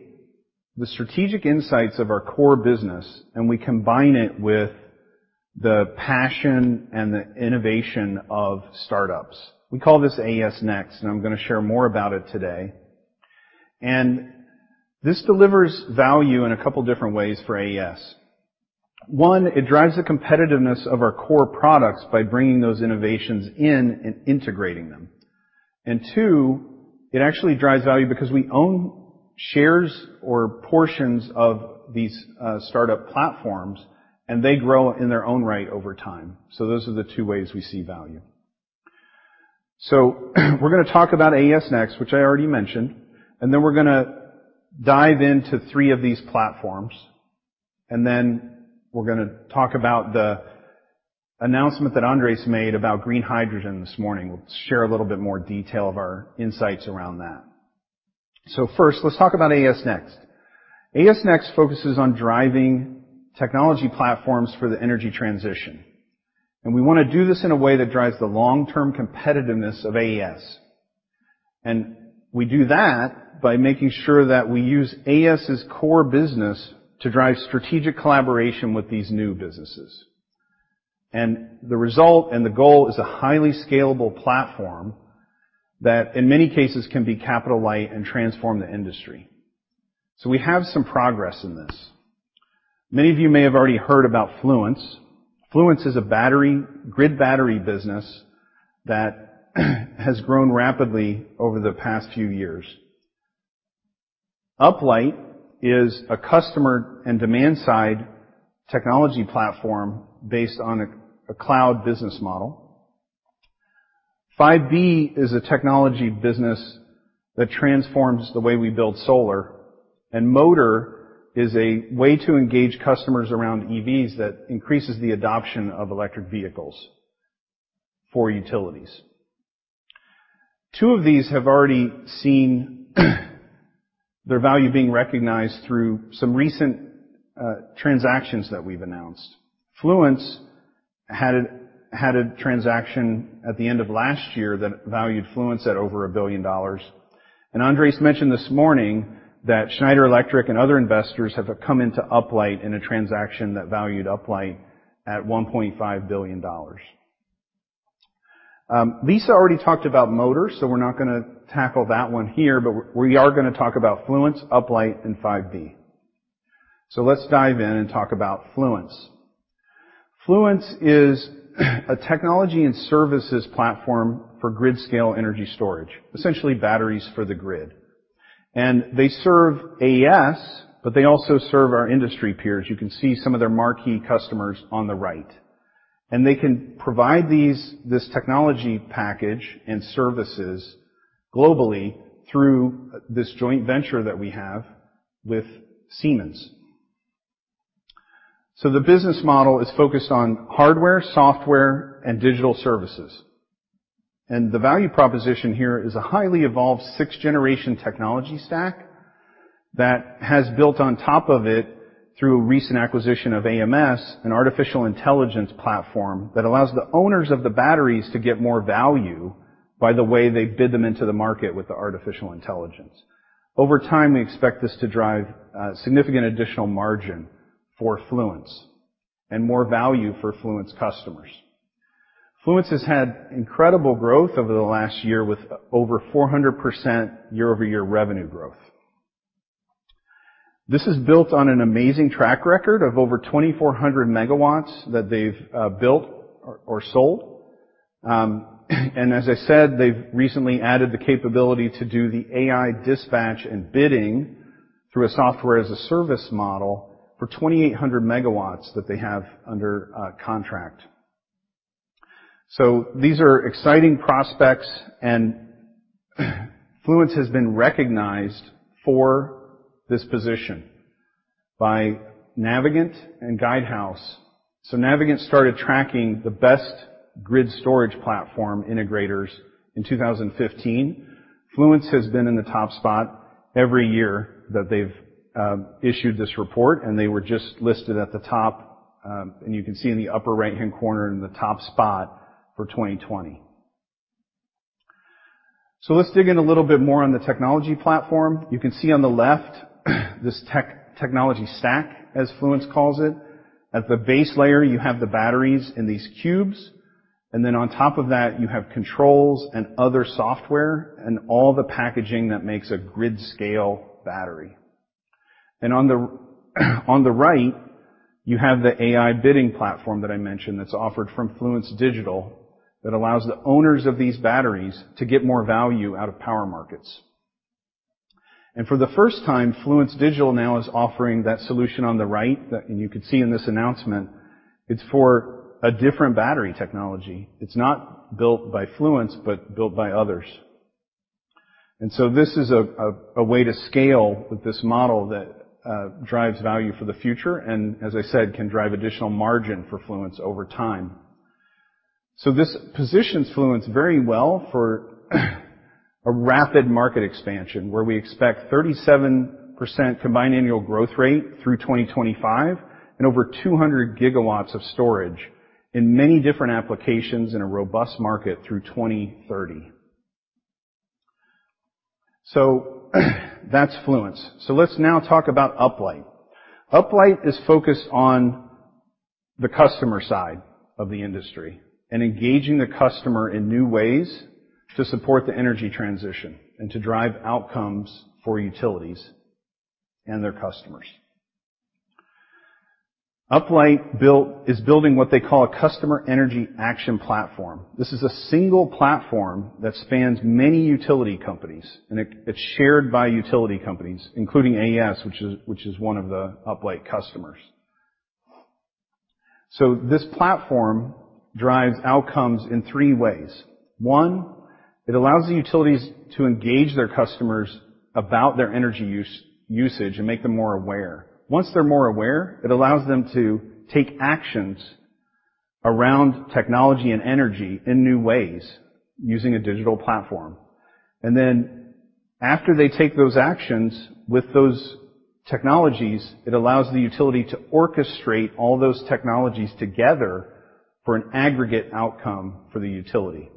the strategic insights of our core business and we combine it with the passion and the innovation of startups. We call this AES Next, and I'm going to share more about it today. And this delivers value in a couple of different ways for AES. One, it drives the competitiveness of our core products by bringing those innovations in and integrating them. And two, it actually drives value because we own shares or portions of these startup platforms, and they grow in their own right over time. So those are the two ways we see value. We're going to talk about AES Next, which I already mentioned, and then we're going to dive into three of these platforms, and then we're going to talk about the announcement that Andrés made about green hydrogen this morning. We'll share a little bit more detail of our insights around that. First, let's talk about AES Next. AES Next focuses on driving technology platforms for the energy transition, and we want to do this in a way that drives the long-term competitiveness of AES. We do that by making sure that we use AES's core business to drive strategic collaboration with these new businesses. The result and the goal is a highly scalable platform that, in many cases, can be capital-light and transform the industry. We have some progress in this. Many of you may have already heard about Fluence. Fluence is a grid battery business that has grown rapidly over the past few years. Uplight is a customer and demand-side technology platform based on a cloud business model. 5B is a technology business that transforms the way we build solar, and Motor is a way to engage customers around EVs that increases the adoption of electric vehicles for utilities. Two of these have already seen their value being recognized through some recent transactions that we've announced. Fluence had a transaction at the end of last year that valued Fluence at over $1 billion, and Andrés mentioned this morning that Schneider Electric and other investors have come into Uplight in a transaction that valued Uplight at $1.5 billion. Lisa already talked about Motor, so we're not going to tackle that one here, but we are going to talk about Fluence, Uplight, and 5B. So let's dive in and talk about Fluence. Fluence is a technology and services platform for grid-scale energy storage, essentially batteries for the grid. And they serve AES, but they also serve our industry peers. You can see some of their marquee customers on the right. And they can provide this technology package and services globally through this joint venture that we have with Siemens. So the business model is focused on hardware, software, and digital services. And the value proposition here is a highly evolved sixth-generation technology stack that has built on top of it through a recent acquisition of AMS, an artificial intelligence platform that allows the owners of the batteries to get more value by the way they bid them into the market with the artificial intelligence. Over time, we expect this to drive significant additional margin for Fluence and more value for Fluence customers. Fluence has had incredible growth over the last year with over 400% year-over-year revenue growth. This is built on an amazing track record of over 2,400 MW that they've built or sold, and as I said, they've recently added the capability to do the AI dispatch and bidding through a software-as-a-service model for 2,800 megawatts that they have under contract, so these are exciting prospects, and Fluence has been recognized for this position by Navigant and Guidehouse, so Navigant started tracking the best grid storage platform integrators in 2015. Fluence has been in the top spot every year that they've issued this report, and they were just listed at the top, and you can see in the upper right-hand corner in the top spot for 2020, so let's dig in a little bit more on the technology platform. You can see on the left this technology stack, as Fluence calls it. At the base layer, you have the batteries in these cubes, and then on top of that, you have controls and other software and all the packaging that makes a grid-scale battery. And on the right, you have the AI bidding platform that I mentioned that's offered from Fluence Digital that allows the owners of these batteries to get more value out of power markets. And for the first time, Fluence Digital now is offering that solution on the right that you could see in this announcement. It's for a different battery technology. It's not built by Fluence, but built by others. And so this is a way to scale with this model that drives value for the future and, as I said, can drive additional margin for Fluence over time. So this positions Fluence very well for a rapid market expansion where we expect 37% combined annual growth rate through 2025 and over 200 gigawatts of storage in many different applications in a robust market through 2030. So that's Fluence. So let's now talk about Uplight. Uplight is focused on the customer side of the industry and engaging the customer in new ways to support the energy transition and to drive outcomes for utilities and their customers. Uplight is building what they call a Customer Energy Action Platform. This is a single platform that spans many utility companies, and it's shared by utility companies, including AES, which is one of the Uplight customers. So this platform drives outcomes in three ways. One, it allows the utilities to engage their customers about their energy usage and make them more aware. Once they're more aware, it allows them to take actions around technology and energy in new ways using a digital platform. And then after they take those actions with those technologies, it allows the utility to orchestrate all those technologies together for an aggregate outcome for the utility.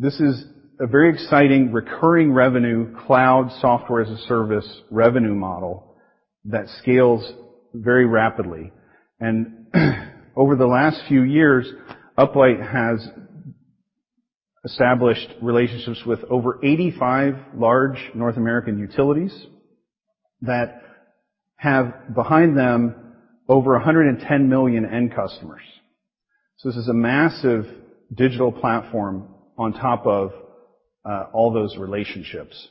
This is a very exciting recurring revenue cloud software-as-a-service revenue model that scales very rapidly. And over the last few years, Uplight has established relationships with over 85 large North American utilities that have behind them over 110 million end customers. So this is a massive digital platform on top of all those relationships.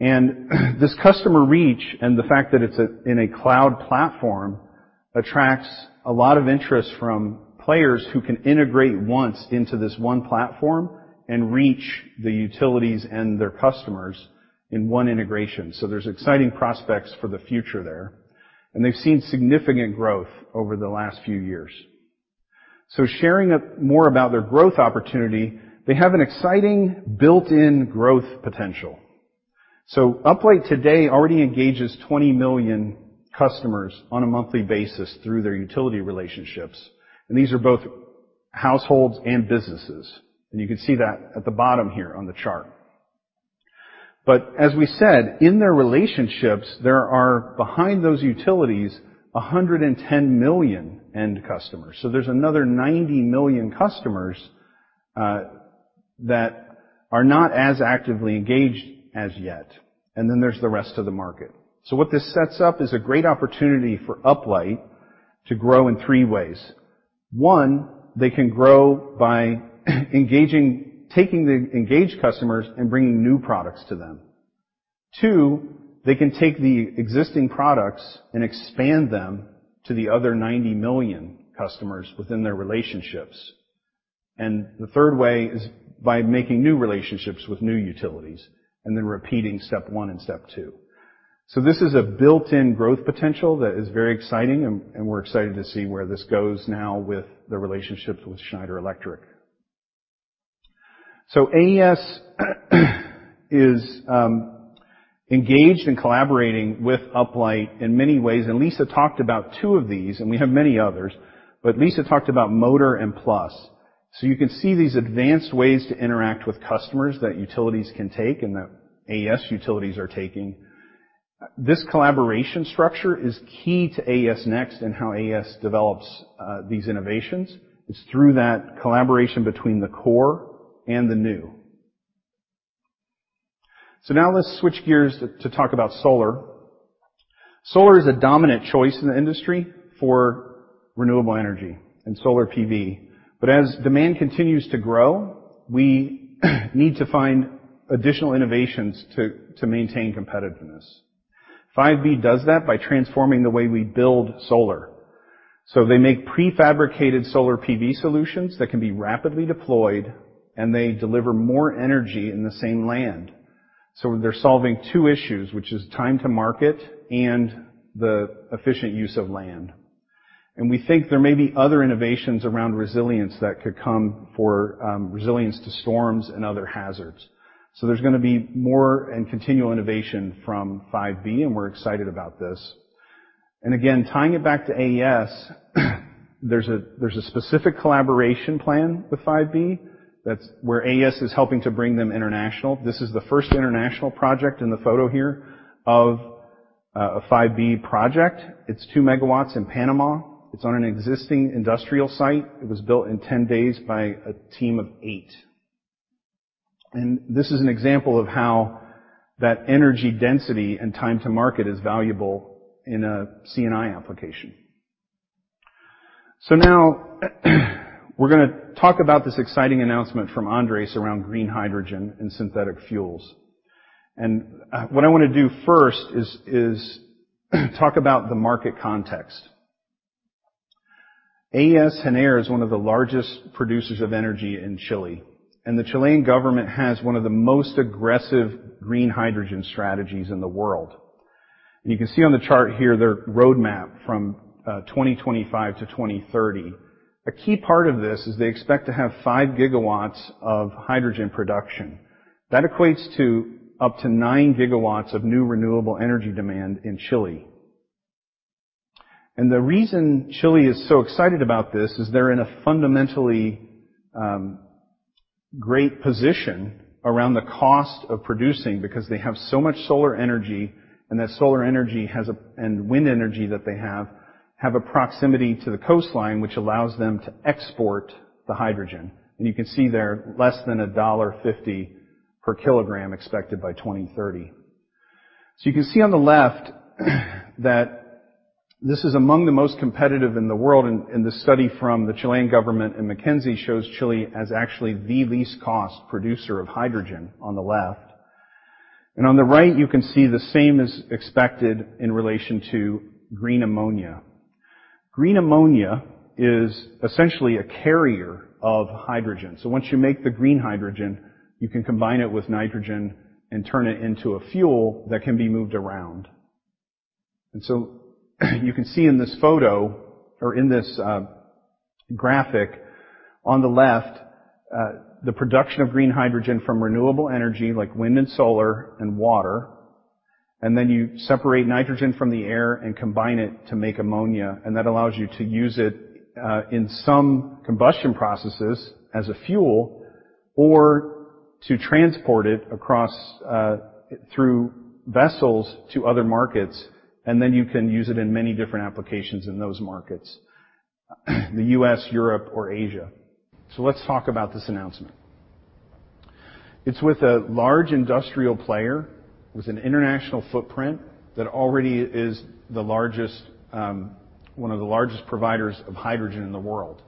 And this customer reach and the fact that it's in a cloud platform attracts a lot of interest from players who can integrate once into this one platform and reach the utilities and their customers in one integration. So there's exciting prospects for the future there. And they've seen significant growth over the last few years. So sharing more about their growth opportunity, they have an exciting built-in growth potential. So Uplight today already engages 20 million customers on a monthly basis through their utility relationships. And these are both households and businesses. And you can see that at the bottom here on the chart. But as we said, in their relationships, there are behind those utilities 110 million end customers. So there's another 90 million customers that are not as actively engaged as yet. And then there's the rest of the market. So what this sets up is a great opportunity for Uplight to grow in three ways. One, they can grow by taking the engaged customers and bringing new products to them. Two, they can take the existing products and expand them to the other 90 million customers within their relationships. And the third way is by making new relationships with new utilities and then repeating step one and step two. So this is a built-in growth potential that is very exciting, and we're excited to see where this goes now with the relationships with Schneider Electric. So AES is engaged and collaborating with Uplight in many ways. And Lisa talked about two of these, and we have many others, but Lisa talked about Motor and Plus. So you can see these advanced ways to interact with customers that utilities can take and that AES utilities are taking. This collaboration structure is key to AES Next and how AES develops these innovations. It's through that collaboration between the core and the new. So now let's switch gears to talk about solar. Solar is a dominant choice in the industry for renewable energy and solar PV. But as demand continues to grow, we need to find additional innovations to maintain competitiveness. 5B does that by transforming the way we build solar. So they make prefabricated solar PV solutions that can be rapidly deployed, and they deliver more energy in the same land. So they're solving two issues, which is time to market and the efficient use of land. And we think there may be other innovations around resilience that could come for resilience to storms and other hazards. So there's going to be more and continual innovation from 5B, and we're excited about this. And again, tying it back to AES, there's a specific collaboration plan with 5B where AES is helping to bring them international. This is the first international project in the photo here of a 5B project. It's two MW in Panama. It's on an existing industrial site. It was built in 10 days by a team of eight. This is an example of how that energy density and time to market is valuable in a C&I application. Now we're going to talk about this exciting announcement from Andrés around green hydrogen and synthetic fuels. What I want to do first is talk about the market context. AES Gener is one of the largest producers of energy in Chile, and the Chilean government has one of the most aggressive green hydrogen strategies in the world. You can see on the chart here their roadmap from 2025 to 2030. A key part of this is they expect to have five GW of hydrogen production. That equates to up to nine GW of new renewable energy demand in Chile. The reason Chile is so excited about this is they're in a fundamentally great position around the cost of producing because they have so much solar energy and that solar energy and wind energy that they have a proximity to the coastline, which allows them to export the hydrogen. You can see they're less than $1.50 per kilogram expected by 2030. You can see on the left that this is among the most competitive in the world. The study from the Chilean government and McKinsey shows Chile as actually the least cost producer of hydrogen on the left. On the right, you can see the same is expected in relation to green ammonia. Green ammonia is essentially a carrier of hydrogen. So once you make the green hydrogen, you can combine it with nitrogen and turn it into a fuel that can be moved around. And so you can see in this photo or in this graphic on the left, the production of green hydrogen from renewable energy like wind and solar and water. And then you separate nitrogen from the air and combine it to make ammonia. And that allows you to use it in some combustion processes as a fuel or to transport it across through vessels to other markets. And then you can use it in many different applications in those markets: the U.S., Europe, or Asia. So let's talk about this announcement. It's with a large industrial player with an international footprint that already is one of the largest providers of hydrogen in the world.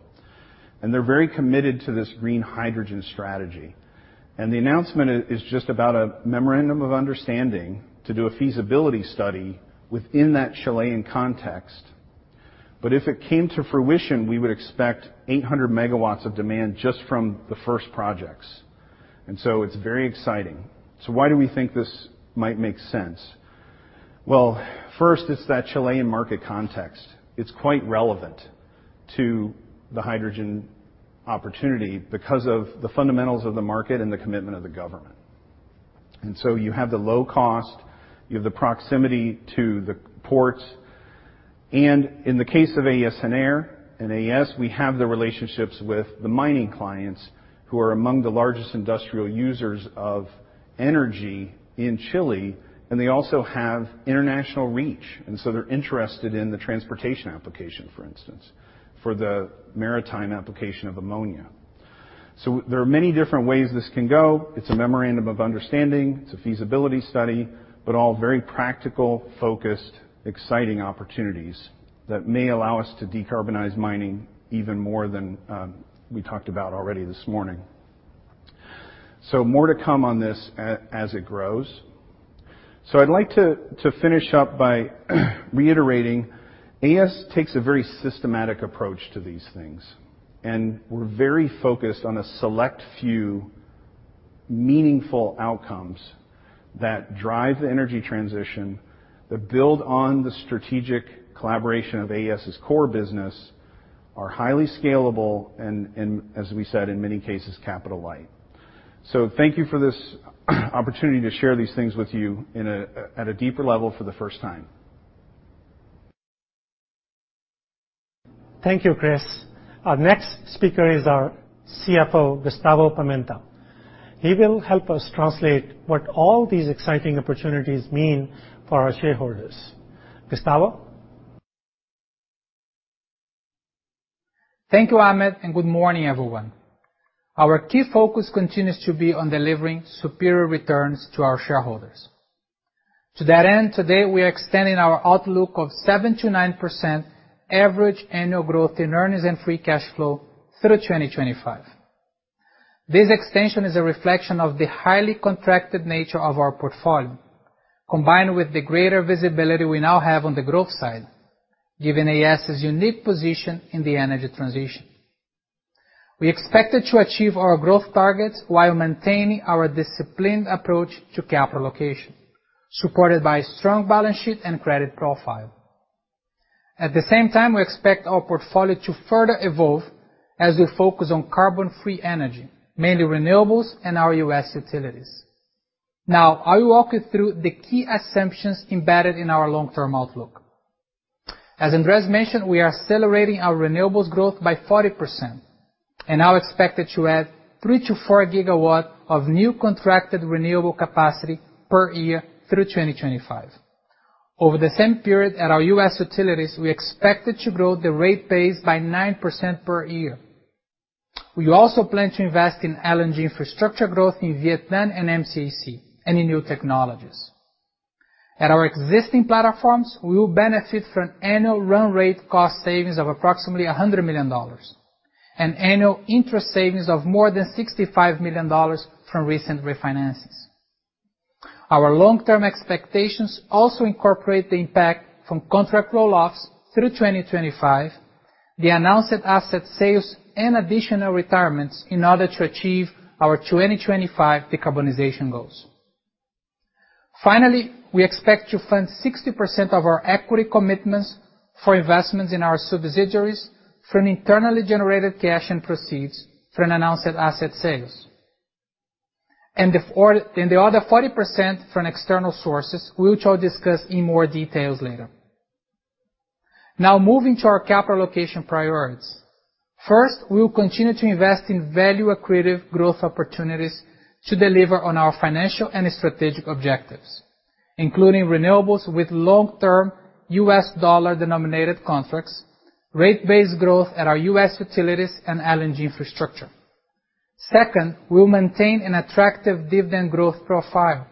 And they're very committed to this green hydrogen strategy. The announcement is just about a memorandum of understanding to do a feasibility study within that Chilean context. If it came to fruition, we would expect 800 MW of demand just from the first projects. It's very exciting. Why do we think this might make sense? First, it's that Chilean market context. It's quite relevant to the hydrogen opportunity because of the fundamentals of the market and the commitment of the government. You have the low cost, you have the proximity to the ports. In the case of AES Gener and AES, we have the relationships with the mining clients who are among the largest industrial users of energy in Chile. They also have international reach. They're interested in the transportation application, for instance, for the maritime application of ammonia. So there are many different ways this can go. It's a memorandum of understanding. It's a feasibility study, but all very practical, focused, exciting opportunities that may allow us to decarbonize mining even more than we talked about already this morning. So more to come on this as it grows. So I'd like to finish up by reiterating AES takes a very systematic approach to these things. And we're very focused on a select few meaningful outcomes that drive the energy transition, that build on the strategic collaboration of AES's core business, are highly scalable, and as we said, in many cases, capital light. So thank you for this opportunity to share these things with you at a deeper level for the first time. Thank you, Chris. Our next speaker is our CFO, Gustavo Pimenta. He will help us translate what all these exciting opportunities mean for our shareholders. Gustavo? Thank you, Ahmed, and good morning, everyone. Our key focus continues to be on delivering superior returns to our shareholders. To that end, today we are extending our outlook of 7%-9% average annual growth in earnings and free cash flow through 2025. This extension is a reflection of the highly contracted nature of our portfolio, combined with the greater visibility we now have on the growth side, giving AES its unique position in the energy transition. We expect it to achieve our growth targets while maintaining our disciplined approach to capital allocation, supported by a strong balance sheet and credit profile. At the same time, we expect our portfolio to further evolve as we focus on carbon-free energy, mainly renewables and our U.S. utilities. Now, I will walk you through the key assumptions embedded in our long-term outlook. As Andrés mentioned, we are accelerating our renewables growth by 40% and now expected to add three to four GW of new contracted renewable capacity per year through 2025. Over the same period at our U.S. utilities, we expect it to grow the rate base by 9% per year. We also plan to invest in LNG infrastructure growth in Vietnam and MCAC and in new technologies. At our existing platforms, we will benefit from annual run rate cost savings of approximately $100 million and annual interest savings of more than $65 million from recent refinances. Our long-term expectations also incorporate the impact from contract roll-offs through 2025, the announced asset sales, and additional retirements in order to achieve our 2025 decarbonization goals. Finally, we expect to fund 60% of our equity commitments for investments in our subsidiaries from internally generated cash and proceeds from announced asset sales. And the other 40% from external sources, which I'll discuss in more detail later. Now, moving to our capital allocation priorities. First, we will continue to invest in value-accretive growth opportunities to deliver on our financial and strategic objectives, including renewables with long-term U.S. dollar-denominated contracts, rate-based growth at our U.S. utilities and LNG infrastructure. Second, we will maintain an attractive dividend growth profile.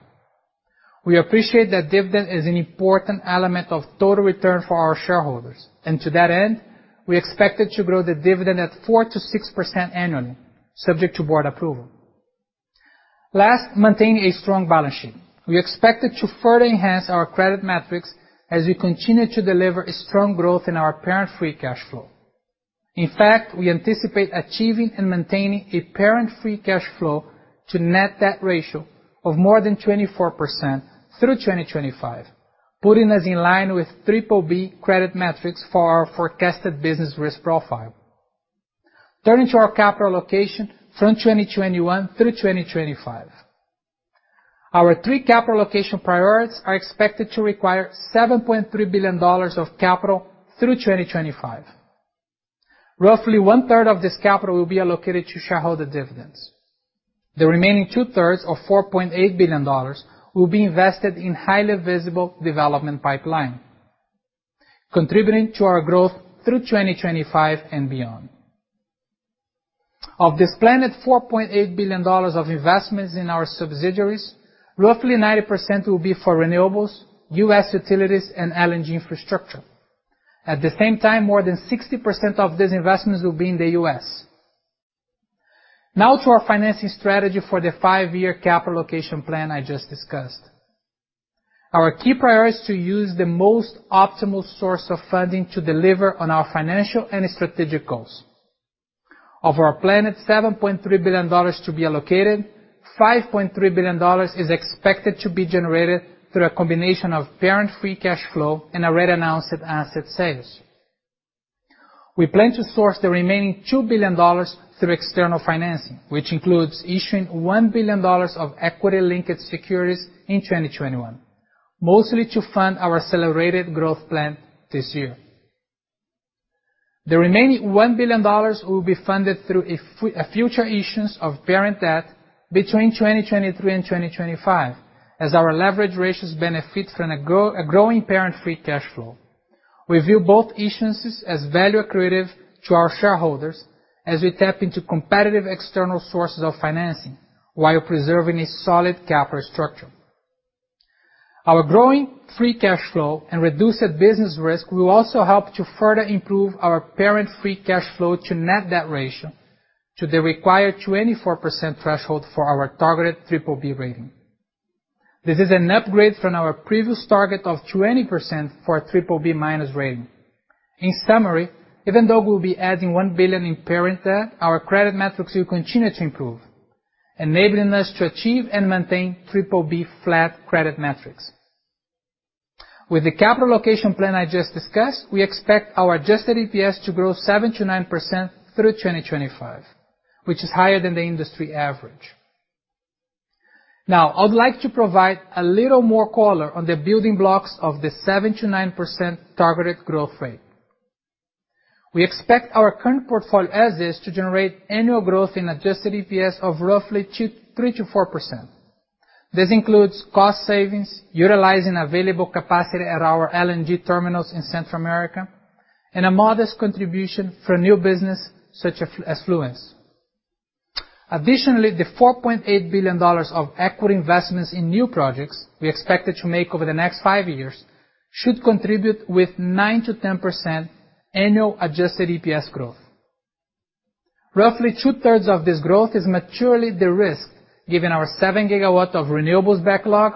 We appreciate that dividend is an important element of total return for our shareholders. And to that end, we expect it to grow the dividend at 4% to 6% annually, subject to board approval. Last, maintaining a strong balance sheet. We expect it to further enhance our credit metrics as we continue to deliver strong growth in our Parent Free Cash Flow. In fact, we anticipate achieving and maintaining a Parent Free Cash Flow to net debt ratio of more than 24% through 2025, putting us in line with BBB credit metrics for our forecasted business risk profile. Turning to our capital allocation from 2021 through 2025, our three capital allocation priorities are expected to require $7.3 billion of capital through 2025. Roughly one-third of this capital will be allocated to shareholder dividends. The remaining two-thirds of $4.8 billion will be invested in highly visible development pipeline, contributing to our growth through 2025 and beyond. Of this planned $4.8 billion of investments in our subsidiaries, roughly 90% will be for renewables, U.S. utilities, and LNG infrastructure. At the same time, more than 60% of these investments will be in the U.S. Now to our financing strategy for the five-year capital allocation plan I just discussed. Our key priority is to use the most optimal source of funding to deliver on our financial and strategic goals. Of our planned $7.3 billion to be allocated, $5.3 billion is expected to be generated through a combination of Parent Free Cash Flow and already announced asset sales. We plan to source the remaining $2 billion through external financing, which includes issuing $1 billion of equity-linked securities in 2021, mostly to fund our accelerated growth plan this year. The remaining $1 billion will be funded through a future issuance of parent debt between 2023 and 2025, as our leverage ratios benefit from a growing Parent Free Cash Flow. We view both issuances as value-accretive to our shareholders as we tap into competitive external sources of financing while preserving a solid capital structure. Our growing free cash flow and reduced business risk will also help to further improve our Parent Free Cash Flow to net debt ratio to the required 24% threshold for our targeted BBB rating. This is an upgrade from our previous target of 20% for a BBB- rating. In summary, even though we will be adding $1 billion in parent debt, our credit metrics will continue to improve, enabling us to achieve and maintain BBB flat credit metrics. With the capital allocation plan I just discussed, we expect our adjusted EPS to grow 7%-9% through 2025, which is higher than the industry average. Now, I'd like to provide a little more color on the building blocks of the 7%-9% targeted growth rate. We expect our current portfolio as is to generate annual growth in adjusted EPS of roughly 3%-4%. This includes cost savings, utilizing available capacity at our LNG terminals in Central America, and a modest contribution from new business such as Fluence. Additionally, the $4.8 billion of equity investments in new projects we expect it to make over the next five years should contribute with 9%-10% annual adjusted EPS growth. Roughly two-thirds of this growth is maturely derisked, given our seven GW of renewables backlog,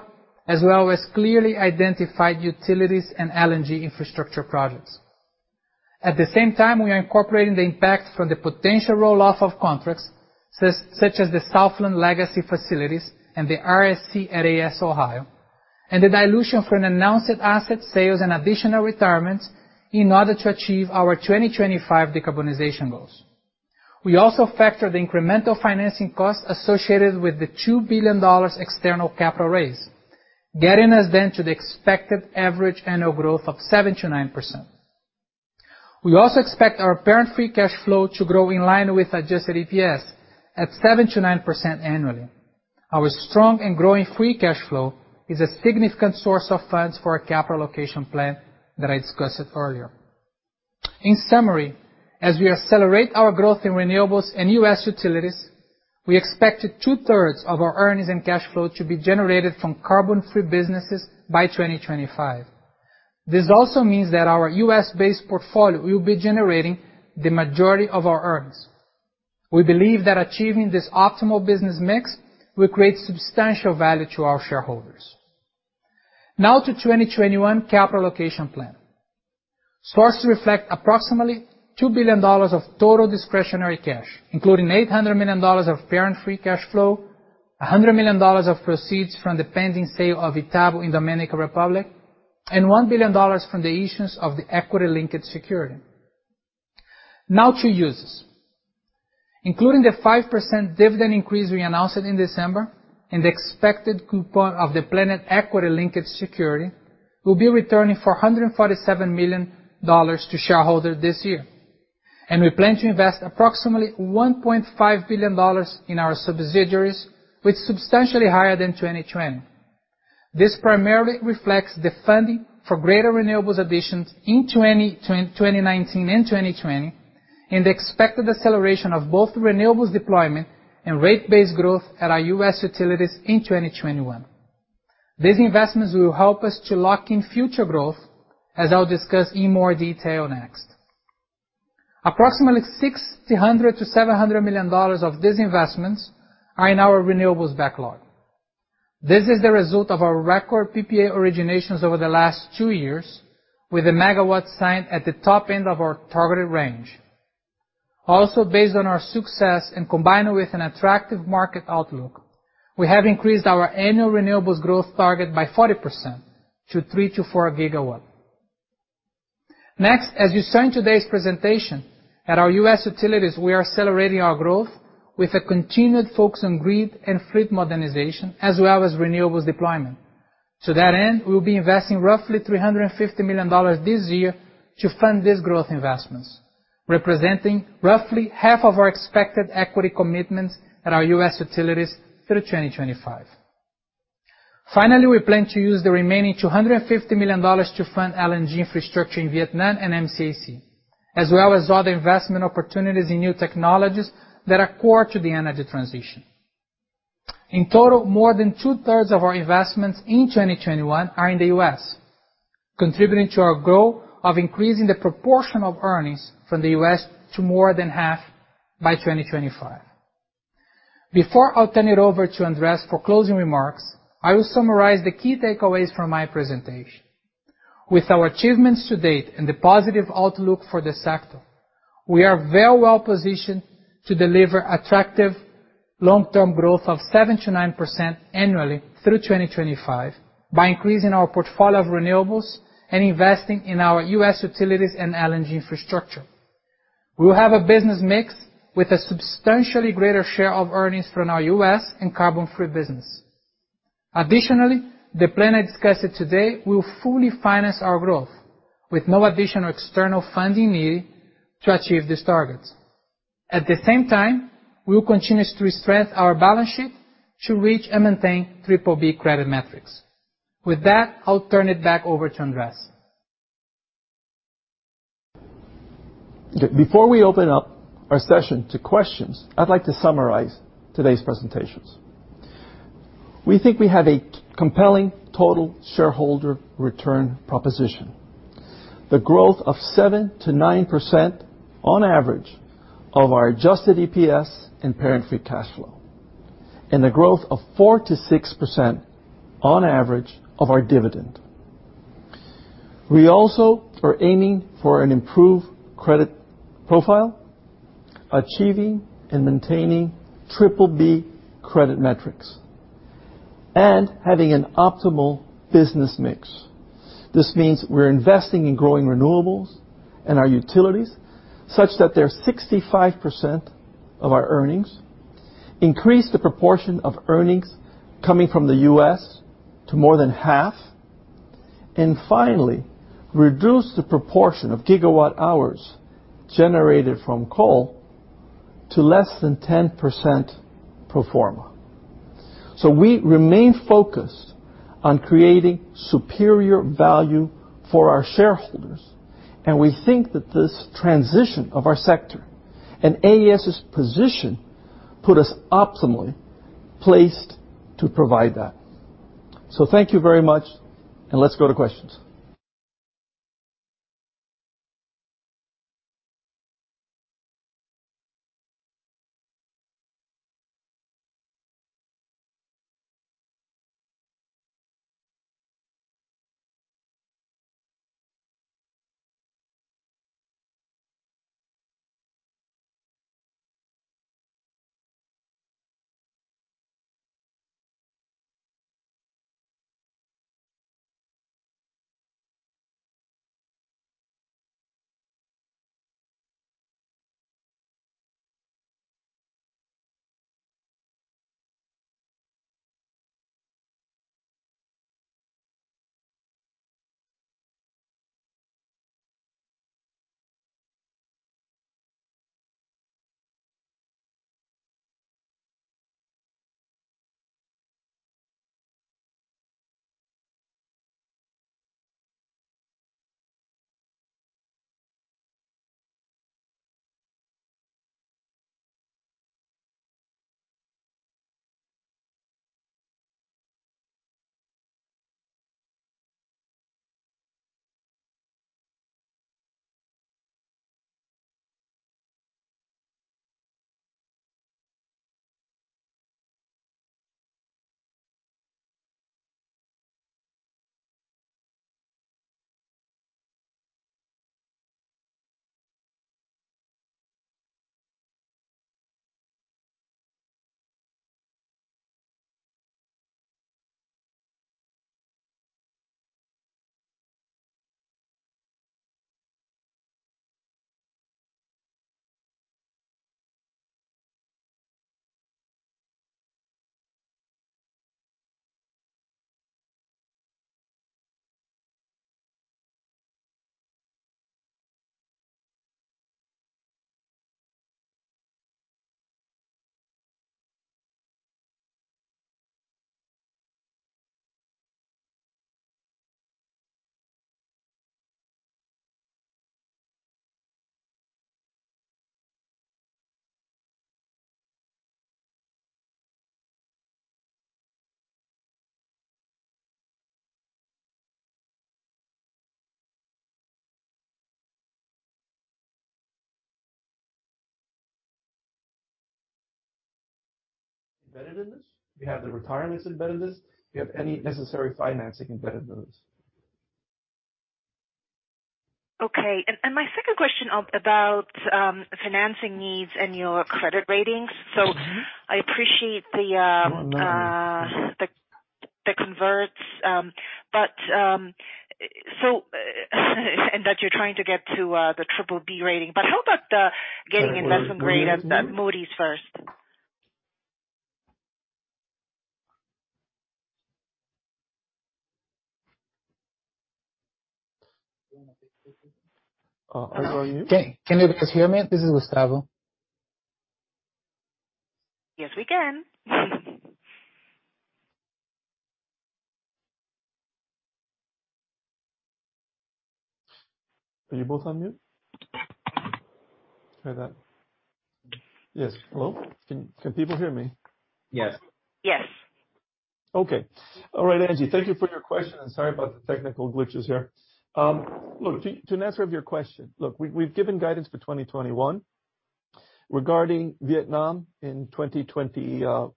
as well as clearly identified utilities and LNG infrastructure projects. At the same time, we are incorporating the impact from the potential roll-off of contracts such as the Southland Legacy facilities and the RSC at AES Ohio, and the dilution from announced asset sales and additional retirements in order to achieve our 2025 decarbonization goals. We also factor the incremental financing costs associated with the $2 billion external capital raise, getting us then to the expected average annual growth of 7%-9%. We also expect our Parent Free Cash Flow to grow in line with adjusted EPS at 7%-9% annually. Our strong and growing free cash flow is a significant source of funds for our capital allocation plan that I discussed earlier. In summary, as we accelerate our growth in renewables and U.S. utilities, we expect two-thirds of our earnings and cash flow to be generated from carbon-free businesses by 2025. This also means that our U.S.-based portfolio will be generating the majority of our earnings. We believe that achieving this optimal business mix will create substantial value to our shareholders. Now to 2021 capital allocation plan. Sources reflect approximately $2 billion of total discretionary cash, including $800 million of Parent Free Cash Flow, $100 million of proceeds from the pending sale of Itabo in the Dominican Republic, and $1 billion from the issuance of the equity-linked security. Now to uses. Including the 5% dividend increase we announced in December, and the expected coupon of the planned equity-linked security, we'll be returning $447 million to shareholders this year, and we plan to invest approximately $1.5 billion in our subsidiaries, which is substantially higher than 2020. This primarily reflects the funding for greater renewables additions in 2019 and 2020, and the expected acceleration of both renewables deployment and rate-based growth at our U.S. utilities in 2021. These investments will help us to lock in future growth, as I'll discuss in more detail next. Approximately $600-$700 million of these investments are in our renewables backlog. This is the result of our record PPA originations over the last two years, with the megawatts signed at the top end of our targeted range. Also, based on our success and combining with an attractive market outlook, we have increased our annual renewables growth target by 40% to 3 to 4 GW. Next, as you saw in today's presentation, at our U.S. utilities, we are accelerating our growth with a continued focus on grid and fleet modernization, as well as renewables deployment. To that end, we will be investing roughly $350 million this year to fund these growth investments, representing roughly half of our expected equity commitments at our U.S. utilities through 2025. Finally, we plan to use the remaining $250 million to fund LNG infrastructure in Vietnam and MCAC, as well as other investment opportunities in new technologies that are core to the energy transition. In total, more than two-thirds of our investments in 2021 are in the U.S., contributing to our goal of increasing the proportion of earnings from the U.S. to more than half by 2025. Before I'll turn it over to Andrés for closing remarks, I will summarize the key takeaways from my presentation. With our achievements to date and the positive outlook for the sector, we are very well positioned to deliver attractive long-term growth of 7%-9% annually through 2025 by increasing our portfolio of renewables and investing in our U.S. utilities and LNG infrastructure. We will have a business mix with a substantially greater share of earnings from our U.S. and carbon-free business. Additionally, the plan I discussed today will fully finance our growth, with no additional external funding needed to achieve this target. At the same time, we will continue to strengthen our balance sheet to reach and maintain BBB credit metrics. With that, I'll turn it back over to Andrés. Before we open up our session to questions, I'd like to summarize today's presentations. We think we have a compelling total shareholder return proposition: the growth of 7%-9% on average of our adjusted EPS and Parent Free Cash Flow, and the growth of 4%-6% on average of our dividend. We also are aiming for an improved credit profile, achieving and maintaining BBB credit metrics, and having an optimal business mix. This means we're investing in growing renewables and our utilities such that their 65% of our earnings increase the proportion of earnings coming from the U.S. to more than half, and finally, reduce the proportion of gigawatt hours generated from coal to less than 10% pro forma. So we remain focused on creating superior value for our shareholders, and we think that this transition of our sector and AES's position put us optimally placed to provide that. So thank you very much, and let's go to questions. Embedded in this? We have the retirements embedded in this. We have any necessary financing embedded in this. Okay. And my second question about financing needs and your credit ratings. So I appreciate the converts, and that you're trying to get to the BBB rating. But how about getting investment grade at Moody's first? Can you guys hear me? This is Gustavo. Yes, we can. Are you both on mute? Yes. Hello? Can people hear me? Yes. Yes. Okay. All right, Angie, thank you for your question. And sorry about the technical glitches here. Look, to answer your question, look, we've given guidance for 2021 regarding Vietnam in 2025.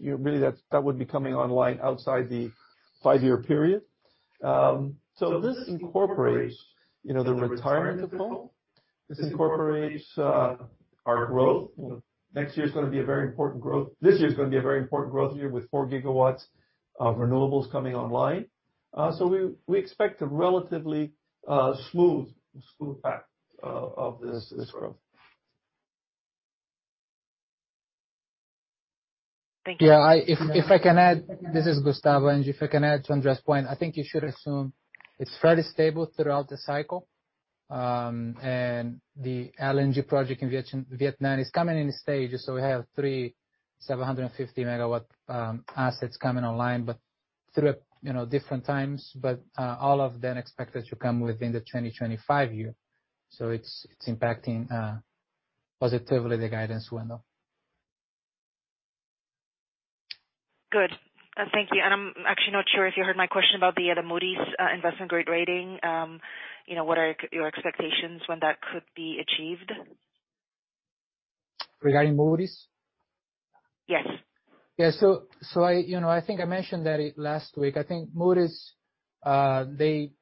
Really, that would be coming online outside the five-year period. So this incorporates the retirement of coal. This incorporates our growth. Next year is going to be a very important growth. This year is going to be a very important growth year with four GW of renewables coming online. So we expect a relatively smooth path of this growth. Thank you. Yeah. If I can add—this is Gustavo, Angie—if I can add to Andrés' point, I think you should assume it's fairly stable throughout the cycle. And the LNG project in Vietnam is coming in stages. So we have three 750 MW assets coming online through different times, but all of them expected to come within the 2025 year. So it's impacting positively the guidance window. Good. Thank you. And I'm actually not sure if you heard my question about the Moody's investment grade rating. What are your expectations when that could be achieved? Regarding Moody's? Yes. Yeah. So I think I mentioned that last week. I think Moody's, they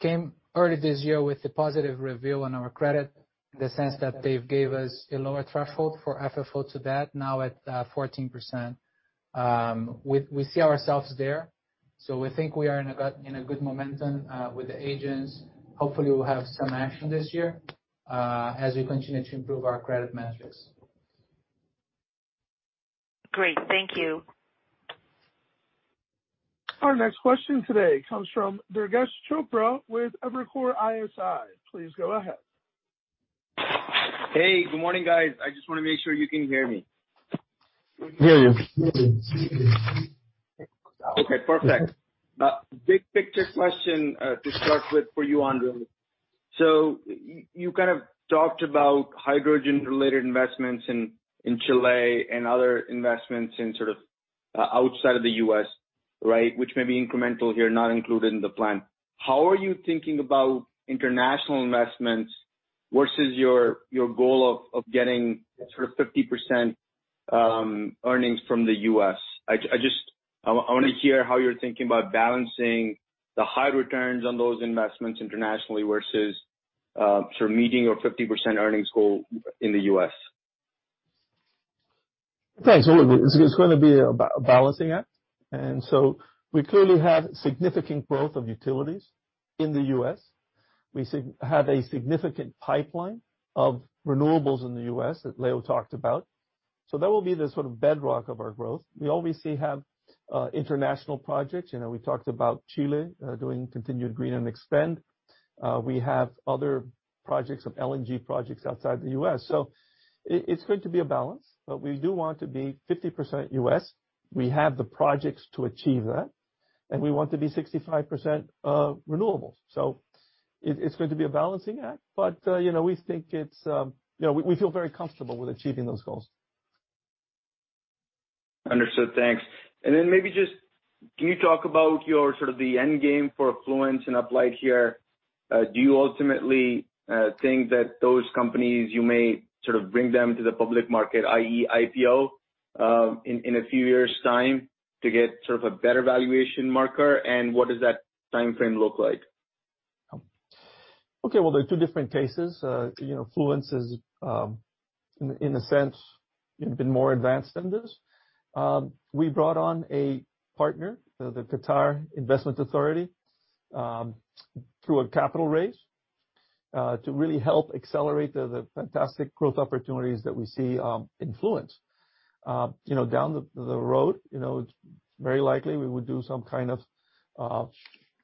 came early this year with a positive reveal on our credit in the sense that they've gave us a lower threshold for FFO to Debt, now at 14%. We see ourselves there. So we think we are in a good momentum with the agents. Hopefully, we'll have some action this year as we continue to improve our credit metrics. Great. Thank you. Our next question today comes from Durgesh Chopra with Evercore ISI. Please go ahead. Hey, good morning, guys. I just want to make sure you can hear me. Hear you. Okay. Perfect. Big picture question to start with for you, Andrew. So you kind of talked about hydrogen-related investments in Chile and other investments sort of outside of the U.S., right, which may be incremental here, not included in the plan. How are you thinking about international investments versus your goal of getting sort of 50% earnings from the U.S.? I want to hear how you're thinking about balancing the high returns on those investments internationally versus sort of meeting your 50% earnings goal in the U.S. Okay. So it's going to be about balancing that. And so we clearly have significant growth of utilities in the U.S. We have a significant pipeline of renewables in the U.S. that Leo talked about. So that will be the sort of bedrock of our growth. We always have international projects. We talked about Chile doing continued green blend and extend. We have other projects of LNG projects outside the U.S. So it's going to be a balance. But we do want to be 50% US. We have the projects to achieve that. And we want to be 65% renewables. So it's going to be a balancing act. But we think it's—we feel very comfortable with achieving those goals. Understood. Thanks. And then maybe just can you talk about sort of the end game for Fluence and Uplight here? Do you ultimately think that those companies you may sort of bring them to the public market, i.e., IPO, in a few years' time to get sort of a better valuation marker? And what does that time frame look like? Okay. Well, there are two different cases. Fluence has, in a sense, been more advanced than this. We brought on a partner, the Qatar Investment Authority, through a capital raise to really help accelerate the fantastic growth opportunities that we see in Fluence. Down the road, it's very likely we would do some kind of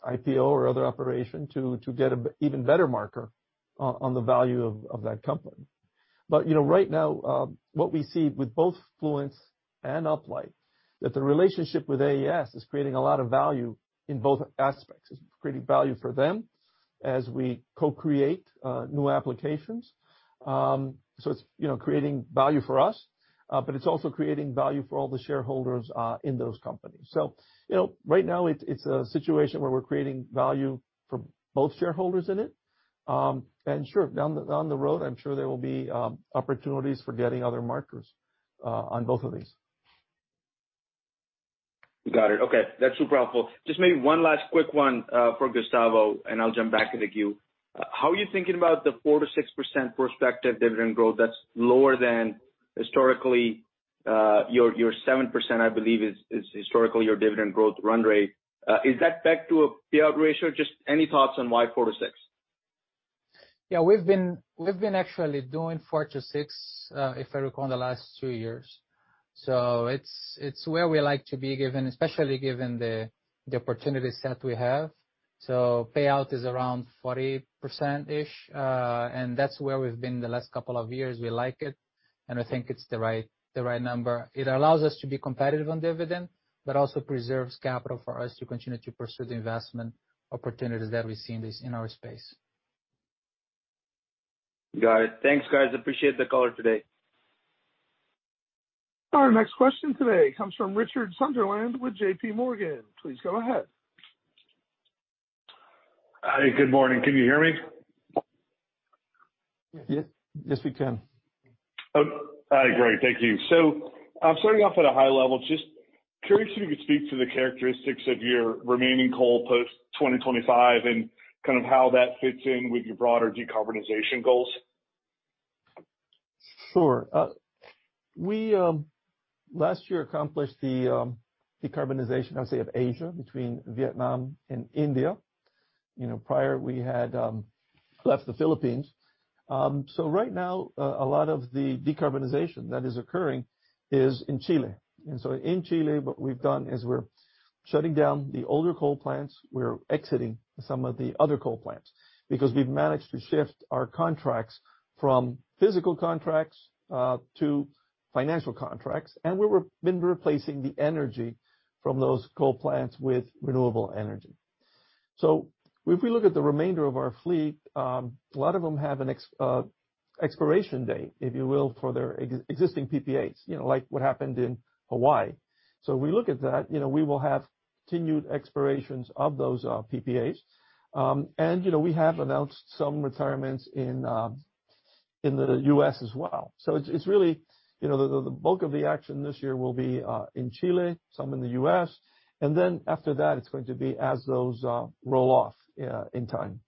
IPO or other operation to get an even better marker on the value of that company. But right now, what we see with both Fluence and Uplight is that the relationship with AES is creating a lot of value in both aspects. It's creating value for them as we co-create new applications. So it's creating value for us, but it's also creating value for all the shareholders in those companies. So right now, it's a situation where we're creating value for both shareholders in it. And sure, down the road, I'm sure there will be opportunities for getting other markers on both of these. Got it. Okay. That's super helpful. Just maybe one last quick one for Gustavo, and I'll jump back to the queue. How are you thinking about the 4%-6% prospective dividend growth that's lower than historically your 7%, I believe, is historically your dividend growth run rate? Is that back to a payout ratio? Just any thoughts on why 4%-6%? Yeah. We've been actually doing 4%-6%, if I recall, in the last two years. So it's where we like to be, especially given the opportunity set we have. So payout is around 40%-ish. And that's where we've been the last couple of years. We like it, and we think it's the right number. It allows us to be competitive on dividend, but also preserves capital for us to continue to pursue the investment opportunities that we see in our space. Got it. Thanks, guys. Appreciate the color today. Our next question today comes from Richard Sunderland with JPMorgan. Please go ahead. Hi, good morning. Can you hear me? Yes, we can. Great. Thank you. So starting off at a high level, just curious if you could speak to the characteristics of your remaining coal post-2025 and kind of how that fits in with your broader decarbonization goals. Sure. Last year, we accomplished the decarbonization, I would say, of Asia between Vietnam and India. Prior, we had left the Philippines. So right now, a lot of the decarbonization that is occurring is in Chile. And so in Chile, what we've done is we're shutting down the older coal plants. We're exiting some of the other coal plants because we've managed to shift our contracts from physical contracts to financial contracts. And we've been replacing the energy from those coal plants with renewable energy. So if we look at the remainder of our fleet, a lot of them have an expiration date, if you will, for their existing PPAs, like what happened in Hawaii. So if we look at that, we will have continued expirations of those PPAs. And we have announced some retirements in the U.S. as well. So it's really the bulk of the action this year will be in Chile, some in the U.S. And then after that, it's going to be as those roll off in time.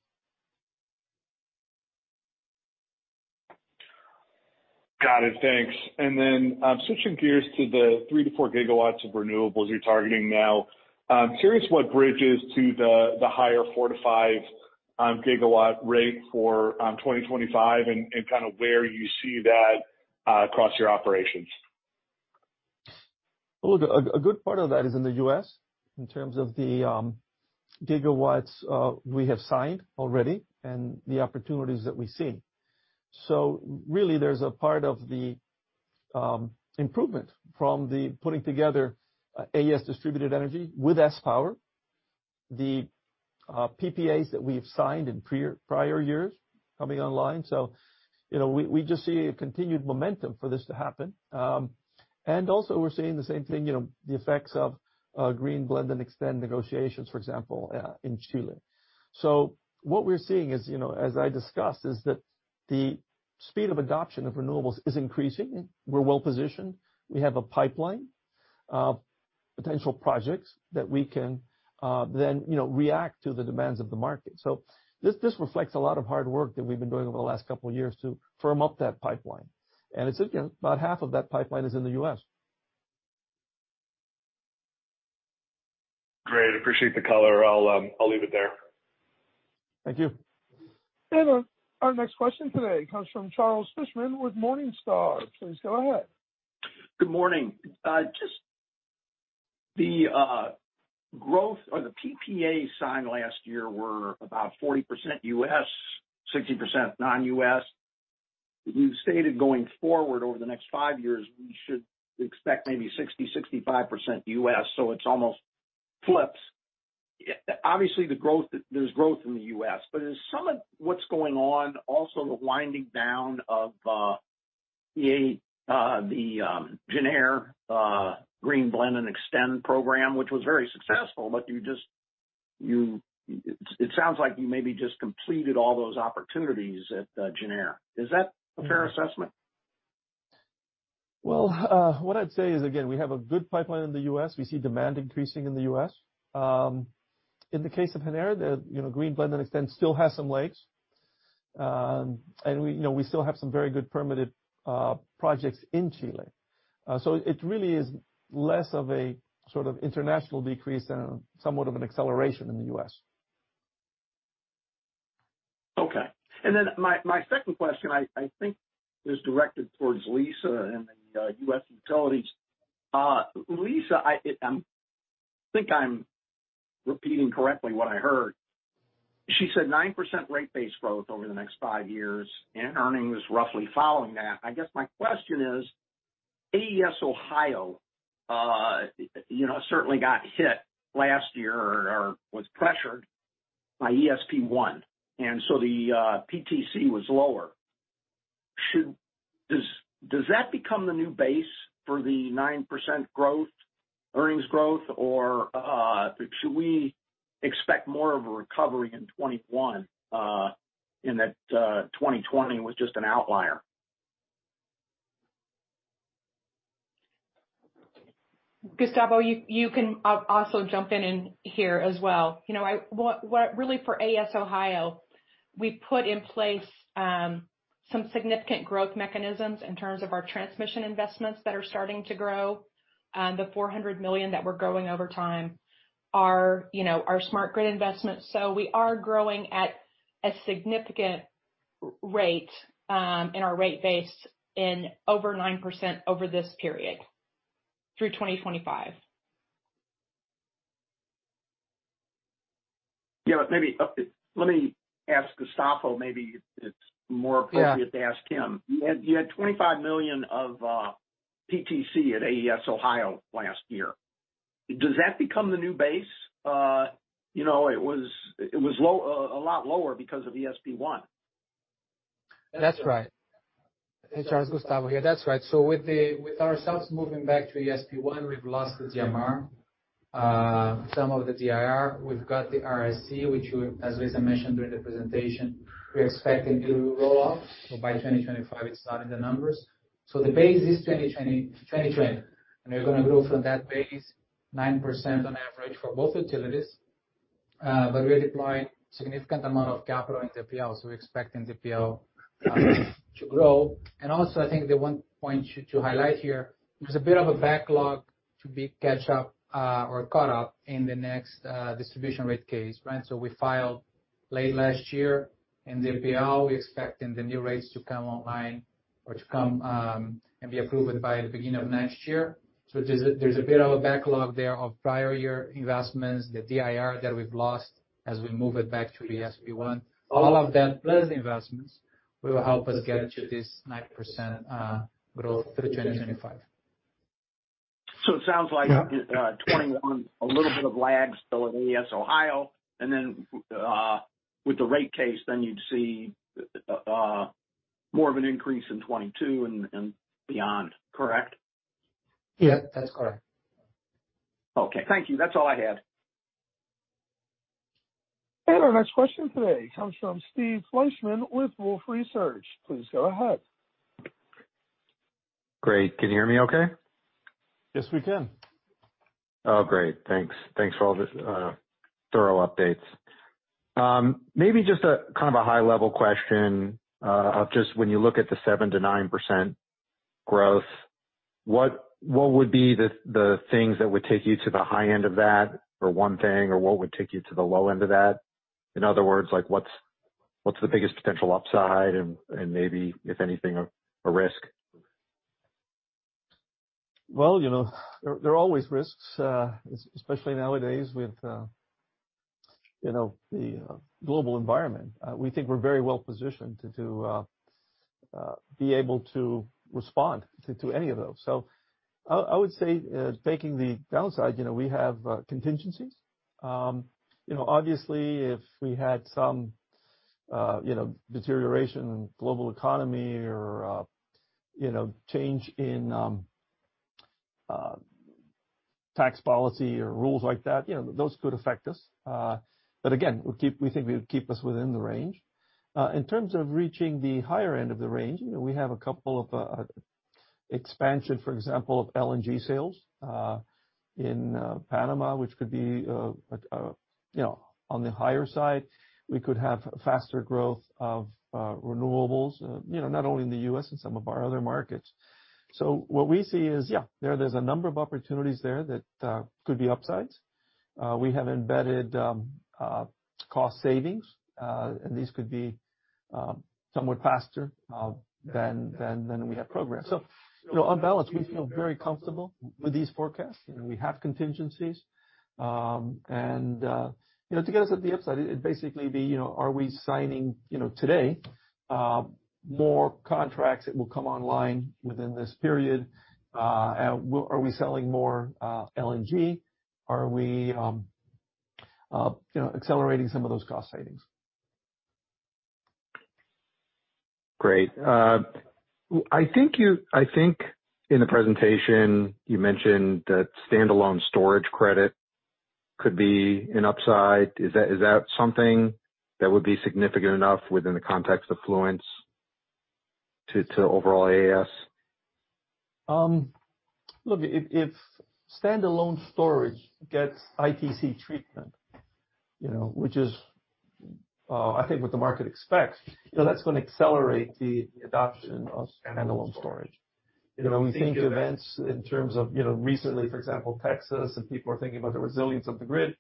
Got it. Thanks. And then switching gears to the three to four gigawatts of renewables you're targeting now, I'm curious what bridges to the higher four to five GW rate for 2025 and kind of where you see that across your operations. Look, a good part of that is in the U.S. in terms of the gigawatts we have signed already and the opportunities that we see. So really, there's a part of the improvement from putting together AES Distributed Energy with sPower, the PPAs that we've signed in prior years coming online. So we just see a continued momentum for this to happen. And also, we're seeing the same thing, the effects of green blend and extend negotiations, for example, in Chile. So what we're seeing, as I discussed, is that the speed of adoption of renewables is increasing. We're well-positioned. We have a pipeline, potential projects that we can then react to the demands of the market. So this reflects a lot of hard work that we've been doing over the last couple of years to firm up that pipeline. About half of that pipeline is in the U.S. Great. Appreciate the color. I'll leave it there. Thank you. Our next question today comes from Charles Fishman with Morningstar. Please go ahead. Good morning. Just the growth or the PPAs signed last year were about 40% U.S., 60% non-U.S. You stated going forward over the next five years, we should expect maybe 60%-65% U.S. So it's almost flips. Obviously, there's growth in the U.S. But some of what's going on, also the winding down of the Gener Green Blend and Extend program, which was very successful, but it sounds like you maybe just completed all those opportunities at Gener. Is that a fair assessment? Well, what I'd say is, again, we have a good pipeline in the U.S. We see demand increasing in the U.S. In the case of Gener, the Green Blend and Extend still has some legs, and we still have some very good permitted projects in Chile. So it really is less of a sort of international decrease and somewhat of an acceleration in the U.S. Okay. And then my second question, I think, is directed towards Lisa and the U.S. utilities. Lisa, I think I'm repeating correctly what I heard. She said 9% rate-based growth over the next five years, and earnings roughly following that. I guess my question is, AES Ohio certainly got hit last year or was pressured by ESP 1, and so the PTC was lower. Does that become the new base for the 9% earnings growth, or should we expect more of a recovery in 2021 in that 2020 was just an outlier? Gustavo, you can also jump in here as well. Really, for AES Ohio, we put in place some significant growth mechanisms in terms of our transmission investments that are starting to grow. The $400 million that we're growing over time are our smart grid investments. So we are growing at a significant rate in our rate base in over 9% over this period through 2025. Yeah. Let me ask Gustavo maybe if it's more appropriate to ask him. You had $25 million of PTC at AES Ohio last year. Does that become the new base? It was a lot lower because of ESP 1. That's right. Hi, Charles. Gustavo here. That's right. So with ourselves moving back to ESP 1, we've lost the DMR, some of the DIR. We've got the RSC, which, as Lisa mentioned during the presentation, we're expecting to roll off. So by 2025, it's not in the numbers. So the base is 2020. And we're going to grow from that base, 9% on average for both utilities. But we're deploying a significant amount of capital in the IPL. So we're expecting the IPL to grow. And also, I think the one point to highlight here, there's a bit of a backlog to be catch up or caught up in the next distribution rate case, right? So we filed late last year in the IPL. We're expecting the new rates to come online or to come and be approved by the beginning of next year. So there's a bit of a backlog there of prior year investments, the DIR that we've lost as we move it back to ESP 1. All of that, plus the investments, will help us get to this 9% growth through 2025. So it sounds like 2021, a little bit of lag still in AES Ohio. And then with the rate case, then you'd see more of an increase in 2022 and beyond. Correct? Yeah, that's correct. Okay. Thank you. That's all I had. And our next question today comes from Steve Fleishman with Wolfe Research. Please go ahead. Great. Can you hear me okay? Yes, we can. Oh, great. Thanks. Thanks for all the thorough updates. Maybe just kind of a high-level question of just when you look at the 7%-9% growth, what would be the things that would take you to the high end of that for one thing, or what would take you to the low end of that? In other words, what's the biggest potential upside and maybe, if anything, a risk? Well, there are always risks, especially nowadays with the global environment. We think we're very well-positioned to be able to respond to any of those. So I would say taking the downside, we have contingencies. Obviously, if we had some deterioration in the global economy or change in tax policy or rules like that, those could affect us. But again, we think we would keep us within the range. In terms of reaching the higher end of the range, we have a couple of expansions, for example, of LNG sales in Panama, which could be on the higher side. We could have faster growth of renewables, not only in the U.S., in some of our other markets. So what we see is, yeah, there's a number of opportunities there that could be upsides. We have embedded cost savings, and these could be somewhat faster than we have programmed. So on balance, we feel very comfortable with these forecasts. We have contingencies. And to get us at the upside, it'd basically be, are we signing today more contracts that will come online within this period? Are we selling more LNG? Are we accelerating some of those cost savings? Great. I think in the presentation, you mentioned that standalone storage credit could be an upside. Is that something that would be significant enough within the context of Fluence to overall AES? Look, if standalone storage gets ITC treatment, which is, I think, what the market expects, that's going to accelerate the adoption of standalone storage. We think events in terms of recently, for example, Texas, and people are thinking about the resilience of the grid.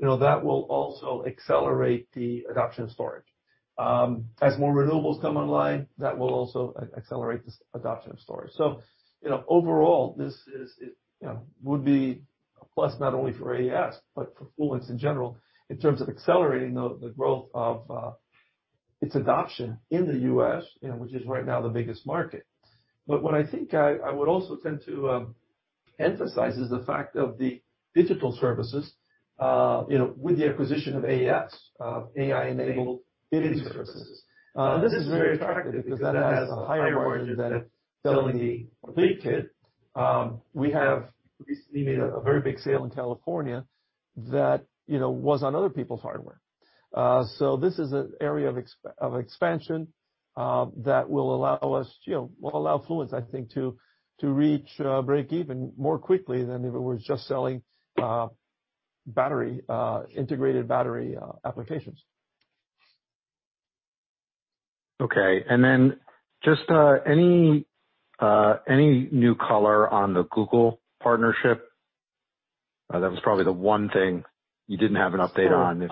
That will also accelerate the adoption of storage. As more renewables come online, that will also accelerate the adoption of storage. So overall, this would be a plus not only for AES, but for Fluence in general in terms of accelerating the growth of its adoption in the U.S., which is right now the biggest market. But what I think I would also tend to emphasize is the fact of the digital services with the acquisition of AMS, AI-enabled bidding services. This is very attractive because that has a higher margin than selling the complete kit. We have recently made a very big sale in California that was on other people's hardware. So this is an area of expansion that will allow us, will allow Fluence, I think, to reach break-even more quickly than if it was just selling integrated battery applications. Okay. And then just any new color on the Google partnership? That was probably the one thing you didn't have an update on.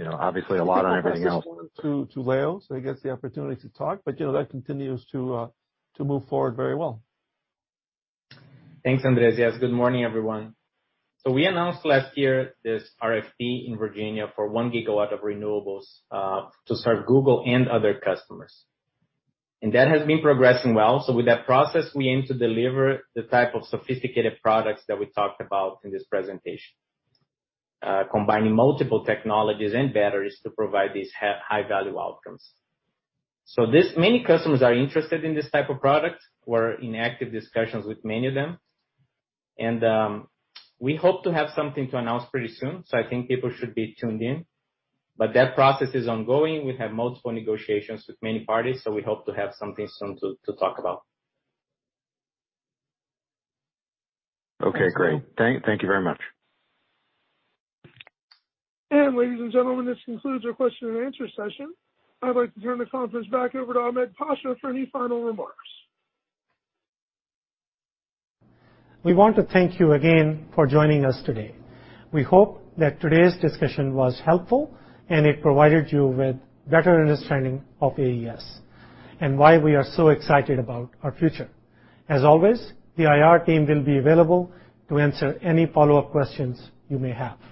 Obviously, a lot on everything else. To Leo so he gets the opportunity to talk, but that continues to move forward very well. Thanks, Andrés. Yes, good morning, everyone. We announced last year this RFP in Virginia for one gigawatt of renewables to serve Google and other customers, and that has been progressing well. With that process, we aim to deliver the type of sophisticated products that we talked about in this presentation, combining multiple technologies and batteries to provide these high-value outcomes. Many customers are interested in this type of product. We're in active discussions with many of them, and we hope to have something to announce pretty soon. I think people should be tuned in, but that process is ongoing. We have multiple negotiations with many parties, so we hope to have something soon to talk about. Okay. Great. Thank you very much. And ladies and gentlemen, this concludes our question-and-answer session. I'd like to turn the conference back over to Ahmed Pasha for any final remarks. We want to thank you again for joining us today. We hope that today's discussion was helpful and it provided you with better understanding of AES and why we are so excited about our future. As always, the IR team will be available to answer any follow-up questions you may have.